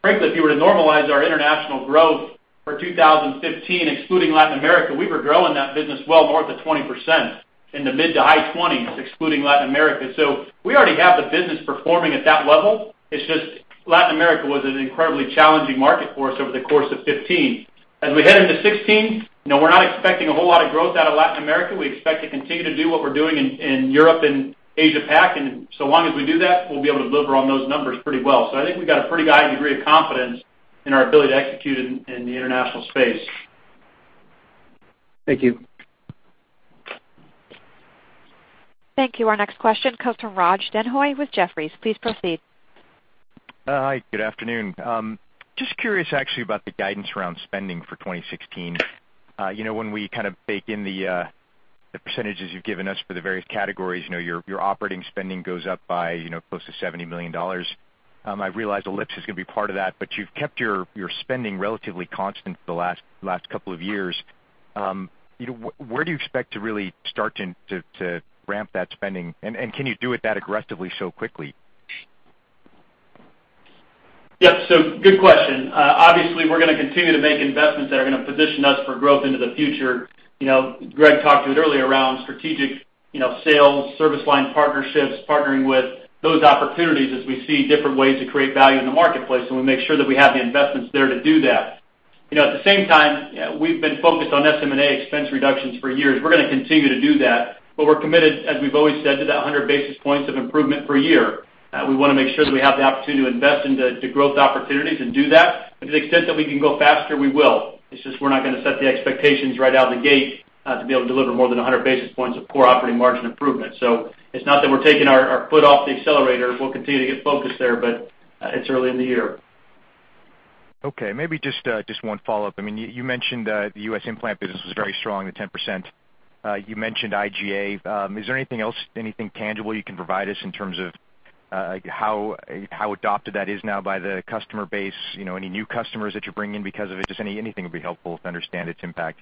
Frankly, if you were to normalize our international growth for 2015, excluding Latin America, we were growing that business well north of 20% in the mid to high 20s, excluding Latin America. We already have the business performing at that level. Latin America was an incredibly challenging market for us over the course of 2015. As we head into 2016, we're not expecting a whole lot of growth out of Latin America. We expect to continue to do what we're doing in Europe and Asia-Pac. As long as we do that, we'll be able to deliver on those numbers pretty well. I think we've got a pretty high degree of confidence in our ability to execute in the international space. Thank you. Thank you. Our next question comes from Raj Denhoy with Jefferies. Please proceed. Hi. Good afternoon. Just curious, actually, about the guidance around spending for 2016. When we kind of bake in the percentages you've given us for the various categories, your operating spending goes up by close to $70 million. I realize Ellipse is going to be part of that, but you've kept your spending relatively constant for the last couple of years. Where do you expect to really start to ramp that spending, and can you do it that aggressively so quickly? Yep. Good question. Obviously, we're going to continue to make investments that are going to position us for growth into the future. Greg talked to it earlier around strategic sales, service line partnerships, partnering with those opportunities as we see different ways to create value in the marketplace, and we make sure that we have the investments there to do that. At the same time, we've been focused on SM&A expense reductions for years. We're going to continue to do that, but we're committed, as we've always said, to that 100 bps of improvement per year. We want to make sure that we have the opportunity to invest into growth opportunities and do that. To the extent that we can go faster, we will. It's just we're not going to set the expectations right out of the gate to be able to deliver more than 100 bps of core operating margin improvement. It's not that we're taking our foot off the accelerator. We'll continue to get focused there, but it's early in the year. Okay. Maybe just one follow-up. I mean, you mentioned the U.S. implant business was very strong, the 10%. You mentioned IGA. Is there anything else, anything tangible you can provide us in terms of how adopted that is now by the customer base, any new customers that you're bringing in because of it? Just anything would be helpful to understand its impact.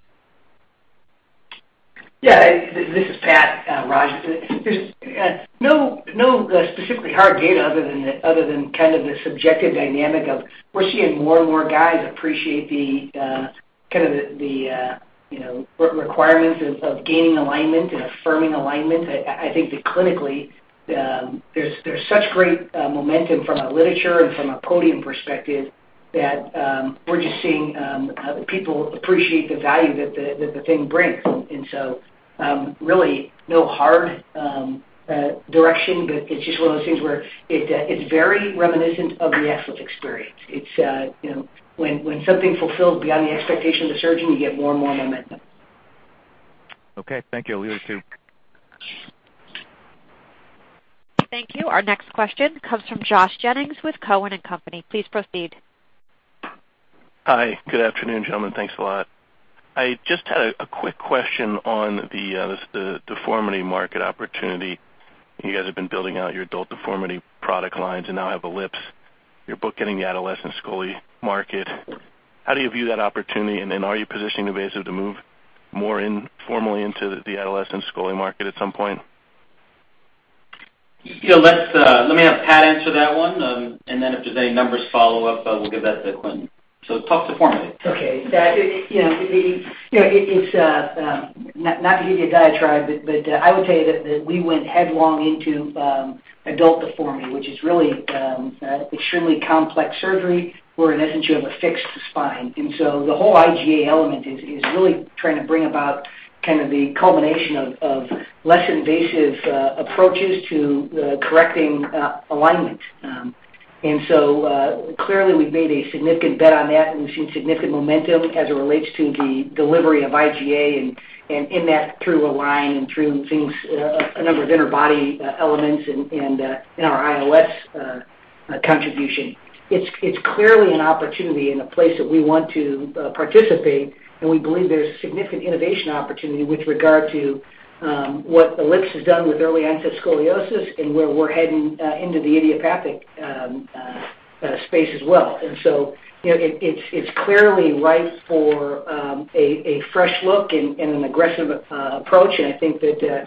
Yeah. This is Pat. Raj, there's no specifically hard data other than kind of the subjective dynamic of we're seeing more and more guys appreciate the kind of the requirements of gaining alignment and affirming alignment. I think that clinically, there's such great momentum from a literature and from a podium perspective that we're just seeing people appreciate the value that the thing brings. And so really no hard direction, but it's just one of those things where it's very reminiscent of the Eclipsed experience. It's when something fulfills beyond the expectation of the surgeon, you get more and more momentum. Okay. Thank you. I'll leave it to you. Thank you. Our next question comes from Josh Jennings with Cowen & Company. Please proceed. Hi. Good afternoon, gentlemen. Thanks a lot. I just had a quick question on the deformity market opportunity. You guys have been building out your adult deformity product lines and now have Ellipse; you're bookending the adolescent scoli market. How do you view that opportunity, and are you positioning NuVasive to move more formally into the adolescent scoli market at some point? Let me have Pat answer that one. And if there's any numbers follow-up, we'll give that to Quentin. It's tough to formulate. Okay. It's not to give you a diatribe, but I would tell you that we went headlong into adult deformity, which is really extremely complex surgery where, in essence, you have a fixed spine. The whole IGA element is really trying to bring about kind of the culmination of less invasive approaches to correcting alignment. Clearly, we've made a significant bet on that, and we've seen significant momentum as it relates to the delivery of IGA and in that through Reline and through a number of interbody elements and our IOS contribution. It's clearly an opportunity and a place that we want to participate, and we believe there's significant innovation opportunity with regard to what Ellipse has done with early onset scoliosis and where we're heading into the idiopathic space as well. It's clearly ripe for a fresh look and an aggressive approach. I think that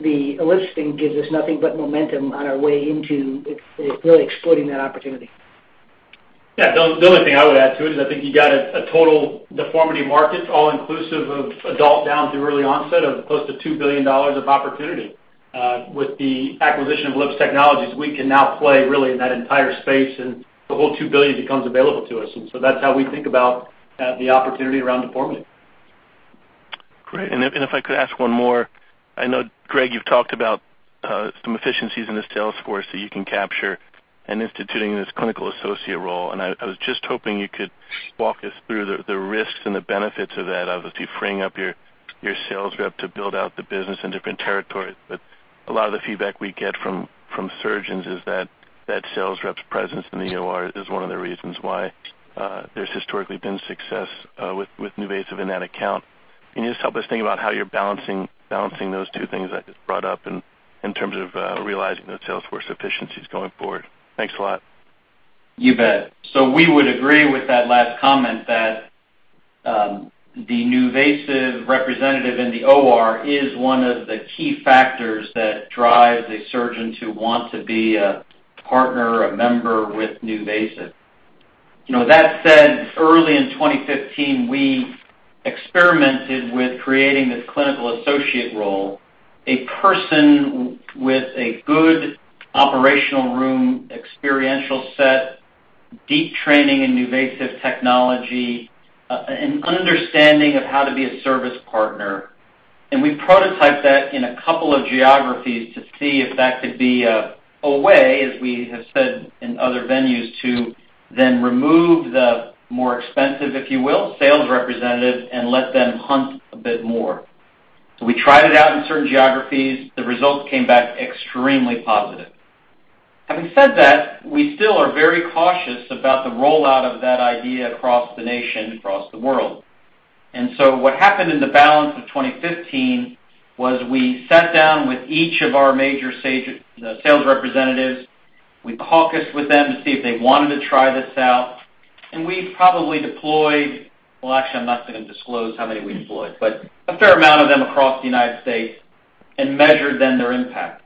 the Ellipse thing gives us nothing but momentum on our way into really exploiting that opportunity. Yeah. The only thing I would add to it is I think you got a total deformity market, all inclusive of adult down through early onset, of close to $2 billion of opportunity. With the acquisition of Ellipse Technologies, we can now play really in that entire space, and the whole $2 billion becomes available to us. That is how we think about the opportunity around deformity. Great. If I could ask one more, I know, Greg, you've talked about some efficiencies in the sales force that you can capture and instituting in this clinical associate role. I was just hoping you could walk us through the risks and the benefits of that, obviously freeing up your sales rep to build out the business in different territories. A lot of the feedback we get from surgeons is that that sales rep's presence in the OR is one of the reasons why there's historically been success with NuVasive in that account. Can you just help us think about how you're balancing those two things that you brought up in terms of realizing those sales force efficiencies going forward? Thanks a lot. You bet. We would agree with that last comment that the NuVasive representative in the OR is one of the key factors that drives a surgeon to want to be a partner, a member with NuVasive. That said, early in 2015, we experimented with creating this clinical associate role, a person with a good operating room experiential set, deep training in NuVasive technology, an understanding of how to be a service partner. We prototyped that in a couple of geographies to see if that could be a way, as we have said in other venues, to then remove the more expensive, if you will, sales representative and let them hunt a bit more. We tried it out in certain geographies. The results came back extremely positive. Having said that, we still are very cautious about the rollout of that idea across the nation, across the world. What happened in the balance of 2015 was we sat down with each of our major sales representatives. We caucused with them to see if they wanted to try this out. We probably deployed—actually, I'm not going to disclose how many we deployed, but a fair amount of them across the United States and measured then their impact.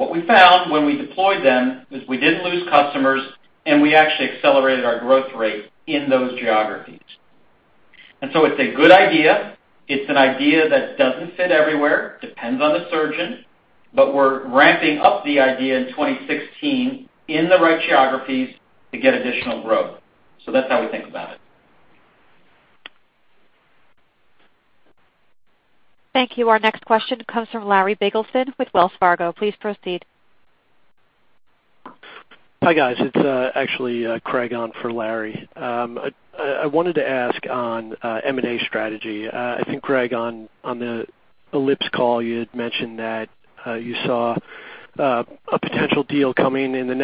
What we found when we deployed them is we did not lose customers, and we actually accelerated our growth rate in those geographies. It is a good idea. It is an idea that does not fit everywhere. It depends on the surgeon. We are ramping up the idea in 2016 in the right geographies to get additional growth. That is how we think about it. Thank you. Our next question comes from Larry Biegelsen with Wells Fargo. Please proceed. Hi, guys. It is actually Craig on for Larry. I wanted to ask on M&A strategy. I think, Greg, on the Ellipse call, you had mentioned that you saw a potential deal coming in the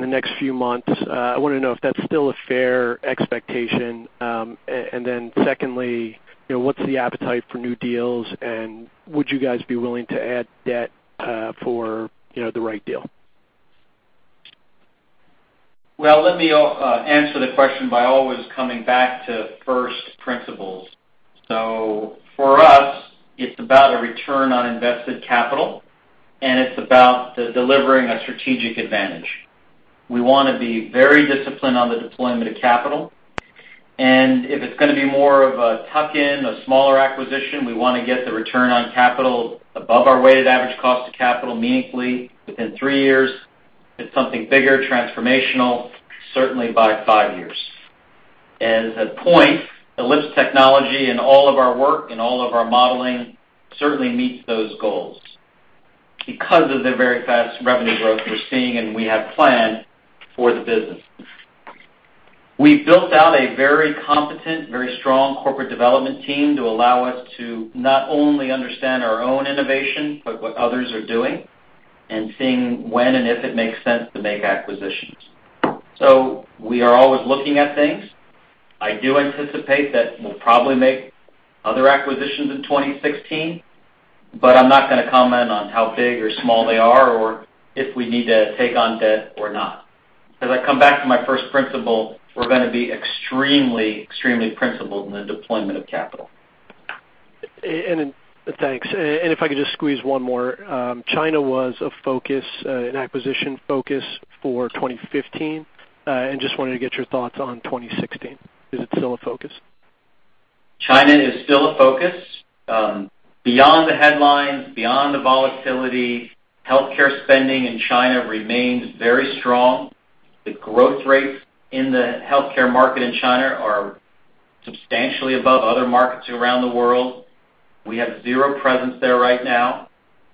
next few months. I want to know if that is still a fair expectation. And then secondly, what is the appetite for new deals, and would you guys be willing to add debt for the right deal? Let me answer the question by always coming back to first principles. For us, it's about a return on invested capital, and it's about delivering a strategic advantage. We want to be very disciplined on the deployment of capital. If it's going to be more of a tuck-in, a smaller acquisition, we want to get the return on capital above our weighted average cost of capital meaningfully within three years. If it's something bigger, transformational, certainly by five years. As a point, Ellipse Technologies and all of our work and all of our modeling certainly meets those goals because of the very fast revenue growth we're seeing and we have planned for the business. We built out a very competent, very strong corporate development team to allow us to not only understand our own innovation, but what others are doing and seeing when and if it makes sense to make acquisitions. We are always looking at things. I do anticipate that we'll probably make other acquisitions in 2016, but I'm not going to comment on how big or small they are or if we need to take on debt or not. As I come back to my first principle, we're going to be extremely, extremely principled in the deployment of capital. Thanks. If I could just squeeze one more, China was a focus, an acquisition focus for 2015, and just wanted to get your thoughts on 2016. Is it still a focus? China is still a focus. Beyond the headlines, beyond the volatility, healthcare spending in China remains very strong. The growth rates in the healthcare market in China are substantially above other markets around the world. We have zero presence there right now.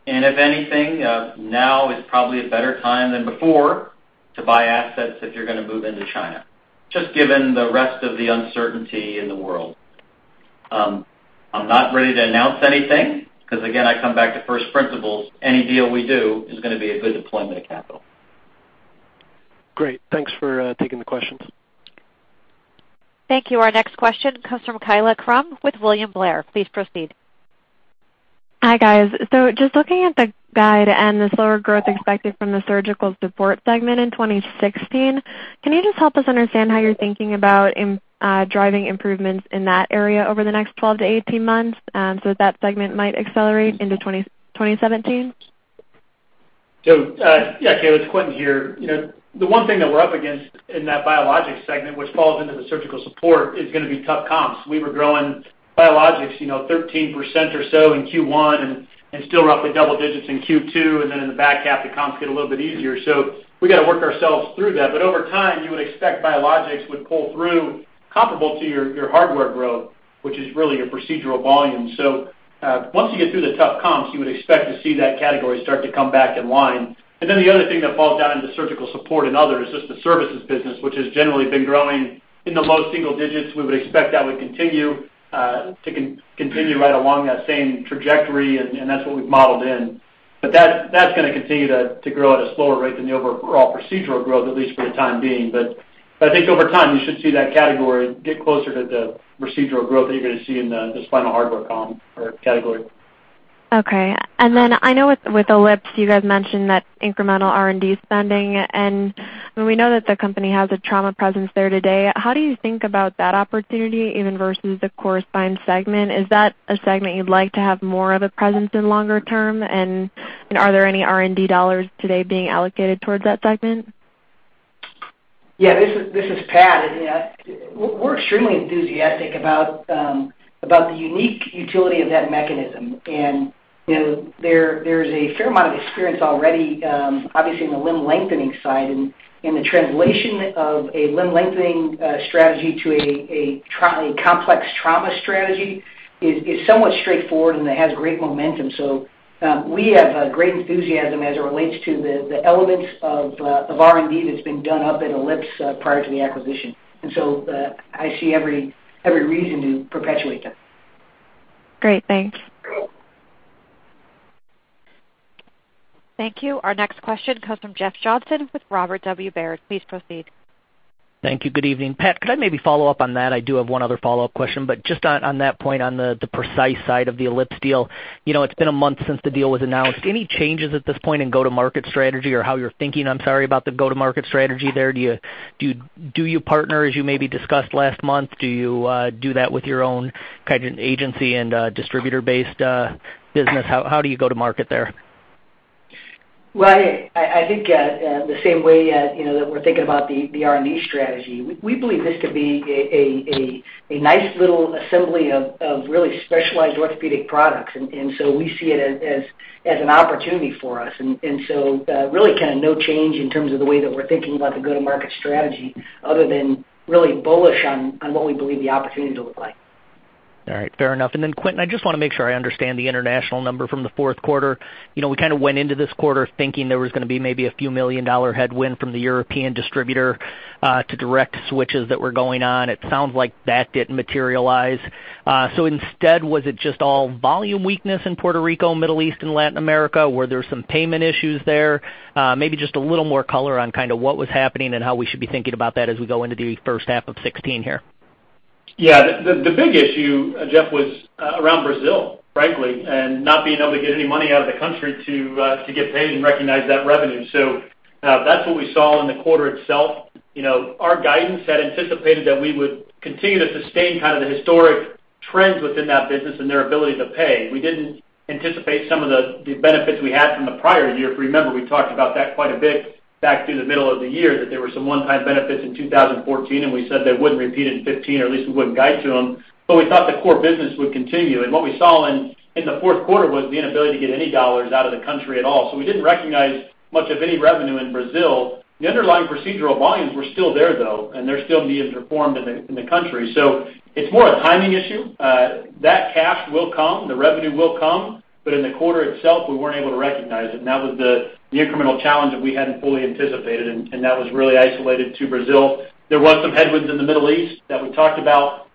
If anything, now is probably a better time than before to buy assets if you're going to move into China, just given the rest of the uncertainty in the world. I'm not ready to announce anything because, again, I come back to first principles. Any deal we do is going to be a good deployment of capital. Great. Thanks for taking the questions. Thank you. Our next question comes from Kaila Crumb-Ewalt with William Blair. Please proceed. Hi, guys. Just looking at the guide and the slower growth expected from the surgical support segment in 2016, can you just help us understand how you're thinking about driving improvements in that area over the next 12 to 18 months so that that segment might accelerate into 2017? Yeah. Okay. It's Quentin here. The one thing that we're up against in that biologics segment, which falls into the surgical support, is going to be tough comps. We were growing biologics 13% or so in Q1 and still roughly double digits in Q2. In the back half, the comps get a little bit easier. We have to work ourselves through that. Over time, you would expect biologics would pull through comparable to your hardware growth, which is really your procedural volume. Once you get through the tough comps, you would expect to see that category start to come back in line. The other thing that falls down into surgical support and others is just the services business, which has generally been growing in the low single digits. We would expect that would continue right along that same trajectory, and that's what we've modeled in. That's going to continue to grow at a slower rate than the overall procedural growth, at least for the time being. I think over time, you should see that category get closer to the procedural growth that you're going to see in this final hardware comp category. Okay. I know with Ellipse, you guys mentioned that incremental R&D spending. We know that the company has a trauma presence there today. How do you think about that opportunity even versus the corresponding segment? Is that a segment you'd like to have more of a presence in longer term? And are there any R&D dollars today being allocated towards that segment? Yeah. This is Pat. We're extremely enthusiastic about the unique utility of that mechanism. And there is a fair amount of experience already, obviously, in the limb lengthening side. And the translation of a limb lengthening strategy to a complex trauma strategy is somewhat straightforward, and it has great momentum. We have great enthusiasm as it relates to the elements of R&D that's been done up at Ellipse prior to the acquisition. I see every reason to perpetuate them. Great. Thanks. Thank you. Our next question comes from Jeff Johnson with Robert W. Baird. Please proceed. Thank you. Good evening. Pat, could I maybe follow up on that? I do have one other follow-up question. Just on that point, on the Precise side of the Ellipse deal, it's been a month since the deal was announced. Any changes at this point in go-to-market strategy or how you're thinking? I'm sorry about the go-to-market strategy there. Do you partner, as you maybe discussed last month? Do you do that with your own kind of agency and distributor-based business? How do you go to market there? I think the same way that we're thinking about the R&D strategy. We believe this to be a nice little assembly of really specialized orthopedic products. We see it as an opportunity for us. Really kind of no change in terms of the way that we're thinking about the go-to-market strategy other than really bullish on what we believe the opportunity to look like. All right. Fair enough. Quentin, I just want to make sure I understand the international number from the fourth quarter. We kind of went into this quarter thinking there was going to be maybe a few million-dollar headwind from the European distributor to direct switches that were going on. It sounds like that did not materialize. Instead, was it just all volume weakness in Puerto Rico, Middle East, and Latin America? Were there some payment issues there? Maybe just a little more color on kind of what was happening and how we should be thinking about that as we go into the first half of 2016 here. Yeah. The big issue, Jeff, was around Brazil, frankly, and not being able to get any money out of the country to get paid and recognize that revenue. That is what we saw in the quarter itself. Our guidance had anticipated that we would continue to sustain kind of the historic trends within that business and their ability to pay. We did not anticipate some of the benefits we had from the prior year. If you remember, we talked about that quite a bit back through the middle of the year that there were some one-time benefits in 2014, and we said they would not repeat in 2015, or at least we would not guide to them. We thought the core business would continue. What we saw in the fourth quarter was the inability to get any dollars out of the country at all. We did not recognize much of any revenue in Brazil. The underlying procedural volumes were still there, though, and they are still being performed in the country. It is more a timing issue. That cash will come. The revenue will come. In the quarter itself, we were not able to recognize it. That was the incremental challenge that we had not fully anticipated. That was really isolated to Brazil. There were some headwinds in the Middle East that we talked about.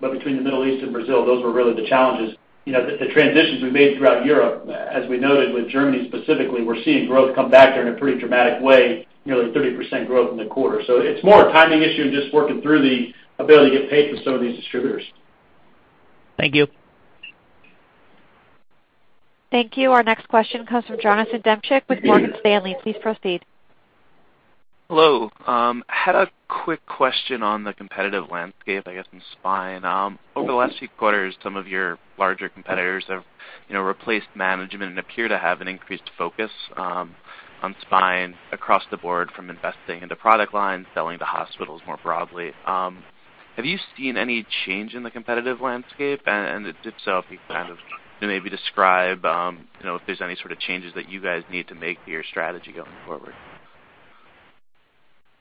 Between the Middle East and Brazil, those were really the challenges. The transitions we made throughout Europe, as we noted with Germany specifically, we are seeing growth come back there in a pretty dramatic way, nearly 30% growth in the quarter. It is more a timing issue and just working through the ability to get paid for some of these distributors. Thank you. Thank you. Our next question comes from Jonathan Demchuk with Morgan Stanley. Please proceed. Hello. I had a quick question on the competitive landscape, I guess, in Spine. Over the last few quarters, some of your larger competitors have replaced management and appear to have an increased focus on Spine across the board from investing into product lines, selling to hospitals more broadly. Have you seen any change in the competitive landscape? If so, if you kind of maybe describe if there's any sort of changes that you guys need to make to your strategy going forward.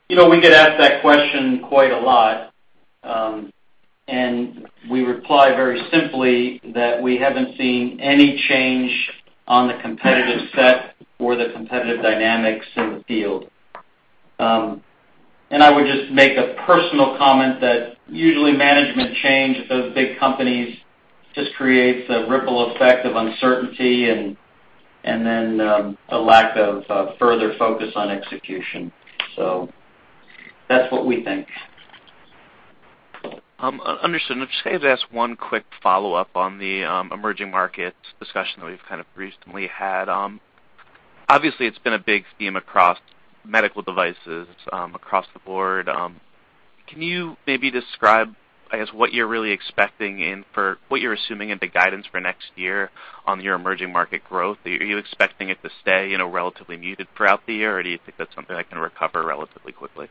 We get asked that question quite a lot. We reply very simply that we haven't seen any change on the competitive set or the competitive dynamics in the field. I would just make a personal comment that usually management change at those big companies just creates a ripple effect of uncertainty and then a lack of further focus on execution. That's what we think. Understood. I just wanted to ask one quick follow-up on the emerging markets discussion that we've kind of recently had. Obviously, it's been a big theme across medical devices across the board. Can you maybe describe, I guess, what you're really expecting and for what you're assuming into guidance for next year on your emerging market growth? Are you expecting it to stay relatively muted throughout the year, or do you think that's something that can recover relatively quickly?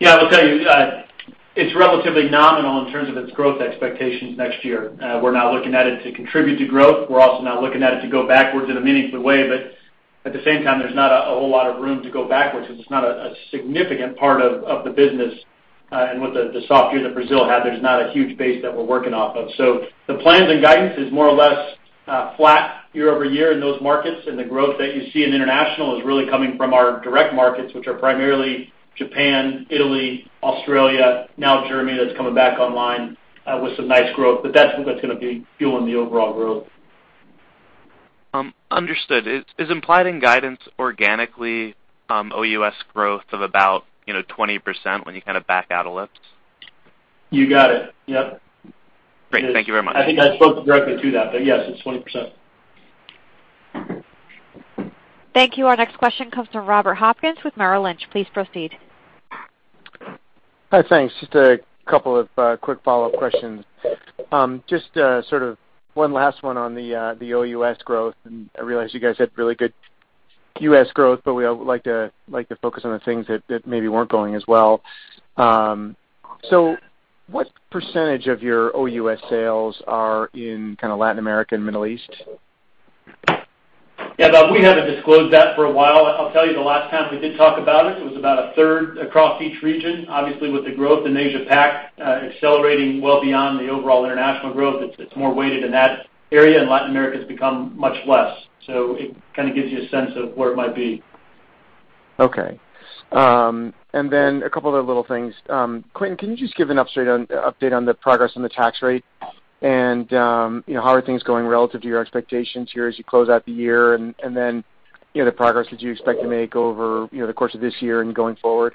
Yeah. I will tell you, it's relatively nominal in terms of its growth expectations next year. We're not looking at it to contribute to growth. We're also not looking at it to go backwards in a meaningful way. At the same time, there's not a whole lot of room to go backwards because it's not a significant part of the business. With the soft year that Brazil had, there is not a huge base that we are working off of. The plans and guidance is more or less flat year over year in those markets. The growth that you see in international is really coming from our direct markets, which are primarily Japan, Italy, Australia, now Germany that is coming back online with some nice growth. That is what is going to be fueling the overall growth. Understood. Is implied in guidance organically OUS growth of about 20% when you kind of back out of Ellipse? You got it. Yep. Great. Thank you very much. I think I spoke directly to that. Yes, it is 20%. Thank you. Our next question comes from Robert Hopkins with Merrill Lynch. Please proceed. Hi. Thanks. Just a couple of quick follow-up questions. Just sort of one last one on the OUS growth. I realize you guys had really good U.S. growth, but we would like to focus on the things that maybe were not going as well. What percentage of your OUS sales are in kind of Latin America and Middle East? Yeah. We have not disclosed that for a while. I will tell you, the last time we did talk about it, it was about a third across each region. Obviously, with the growth in Asia-Pacific accelerating well beyond the overall international growth, it is more weighted in that area. And Latin America has become much less. It kind of gives you a sense of where it might be. Okay. And then a couple of other little things. Quentin, can you just give an update on the progress on the tax rate and how are things going relative to your expectations here as you close out the year and then the progress that you expect to make over the course of this year and going forward?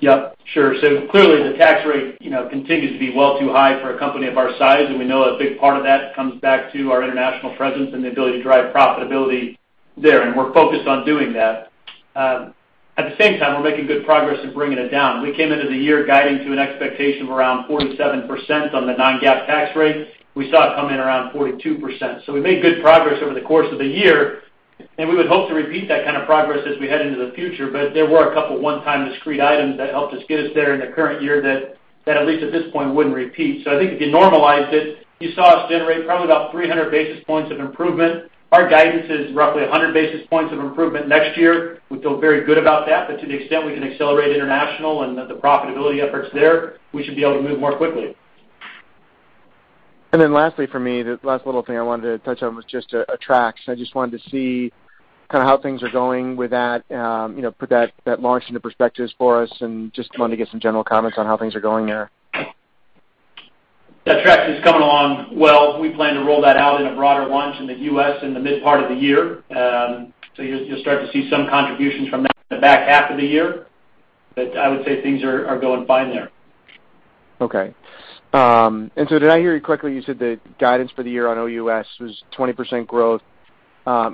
Yep. Sure. Clearly, the tax rate continues to be well too high for a company of our size. We know a big part of that comes back to our international presence and the ability to drive profitability there. We're focused on doing that. At the same time, we're making good progress in bringing it down. We came into the year guiding to an expectation of around 47% on the non-GAAP tax rate. We saw it come in around 42%. We made good progress over the course of the year. We would hope to repeat that kind of progress as we head into the future. There were a couple of one-time discrete items that helped us get there in the current year that, at least at this point, would not repeat. I think if you normalize it, you saw us generate probably about 300 bps of improvement. Our guidance is roughly 100 bps of improvement next year. We feel very good about that. To the extent we can accelerate international and the profitability efforts there, we should be able to move more quickly. Lastly for me, the last little thing I wanted to touch on was just Attrax. I just wanted to see kind of how things are going with that, put that launch into perspective for us, and just wanted to get some general comments on how things are going there. Attrax is coming along well. We plan to roll that out in a broader launch in the U.S. in the mid-part of the year. You'll start to see some contributions from that in the back half of the year. I would say things are going fine there. Okay. Did I hear you correctly? You said the guidance for the year on OUS was 20% growth,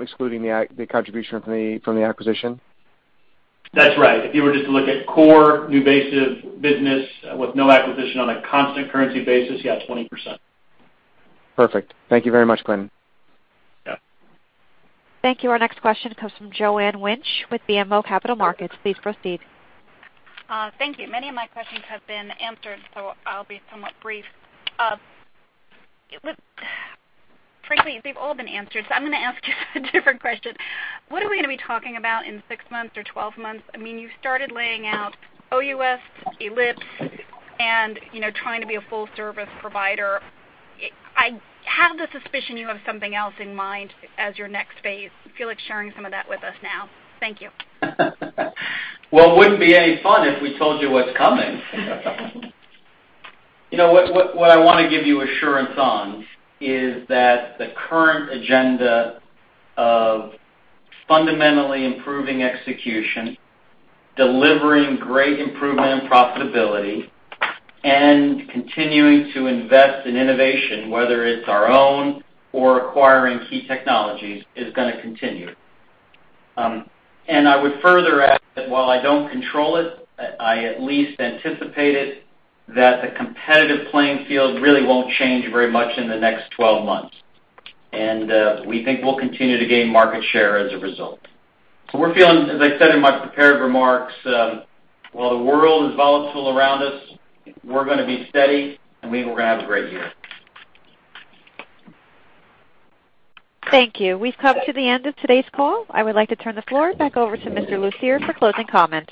excluding the contribution from the acquisition? That's right. If you were just to look at core NuVasive business with no acquisition on a constant currency basis, yeah, 20%. Perfect. Thank you very much, Quentin. Yeah. Thank you. Our next question comes from Joanne Wuensch with BMO Capital Markets. Please proceed. Thank you. Many of my questions have been answered, so I'll be somewhat brief. Frankly, they've all been answered. So I'm going to ask you a different question. What are we going to be talking about in six months or 12 months? I mean, you started laying out OUS, Ellipse, and trying to be a full-service provider. I have the suspicion you have something else in mind as your next phase. I feel like sharing some of that with us now. Thank you. It wouldn't be any fun if we told you what's coming. What I want to give you assurance on is that the current agenda of fundamentally improving execution, delivering great improvement in profitability, and continuing to invest in innovation, whether it's our own or acquiring key technologies, is going to continue. I would further add that while I do not control it, I at least anticipate it, that the competitive playing field really will not change very much in the next 12 months. We think we will continue to gain market share as a result. We are feeling, as I said in my prepared remarks, while the world is volatile around us, we are going to be steady, and we think we are going to have a great year. Thank you. We have come to the end of today's call. I would like to turn the floor back over to Mr. Lucero for closing comments.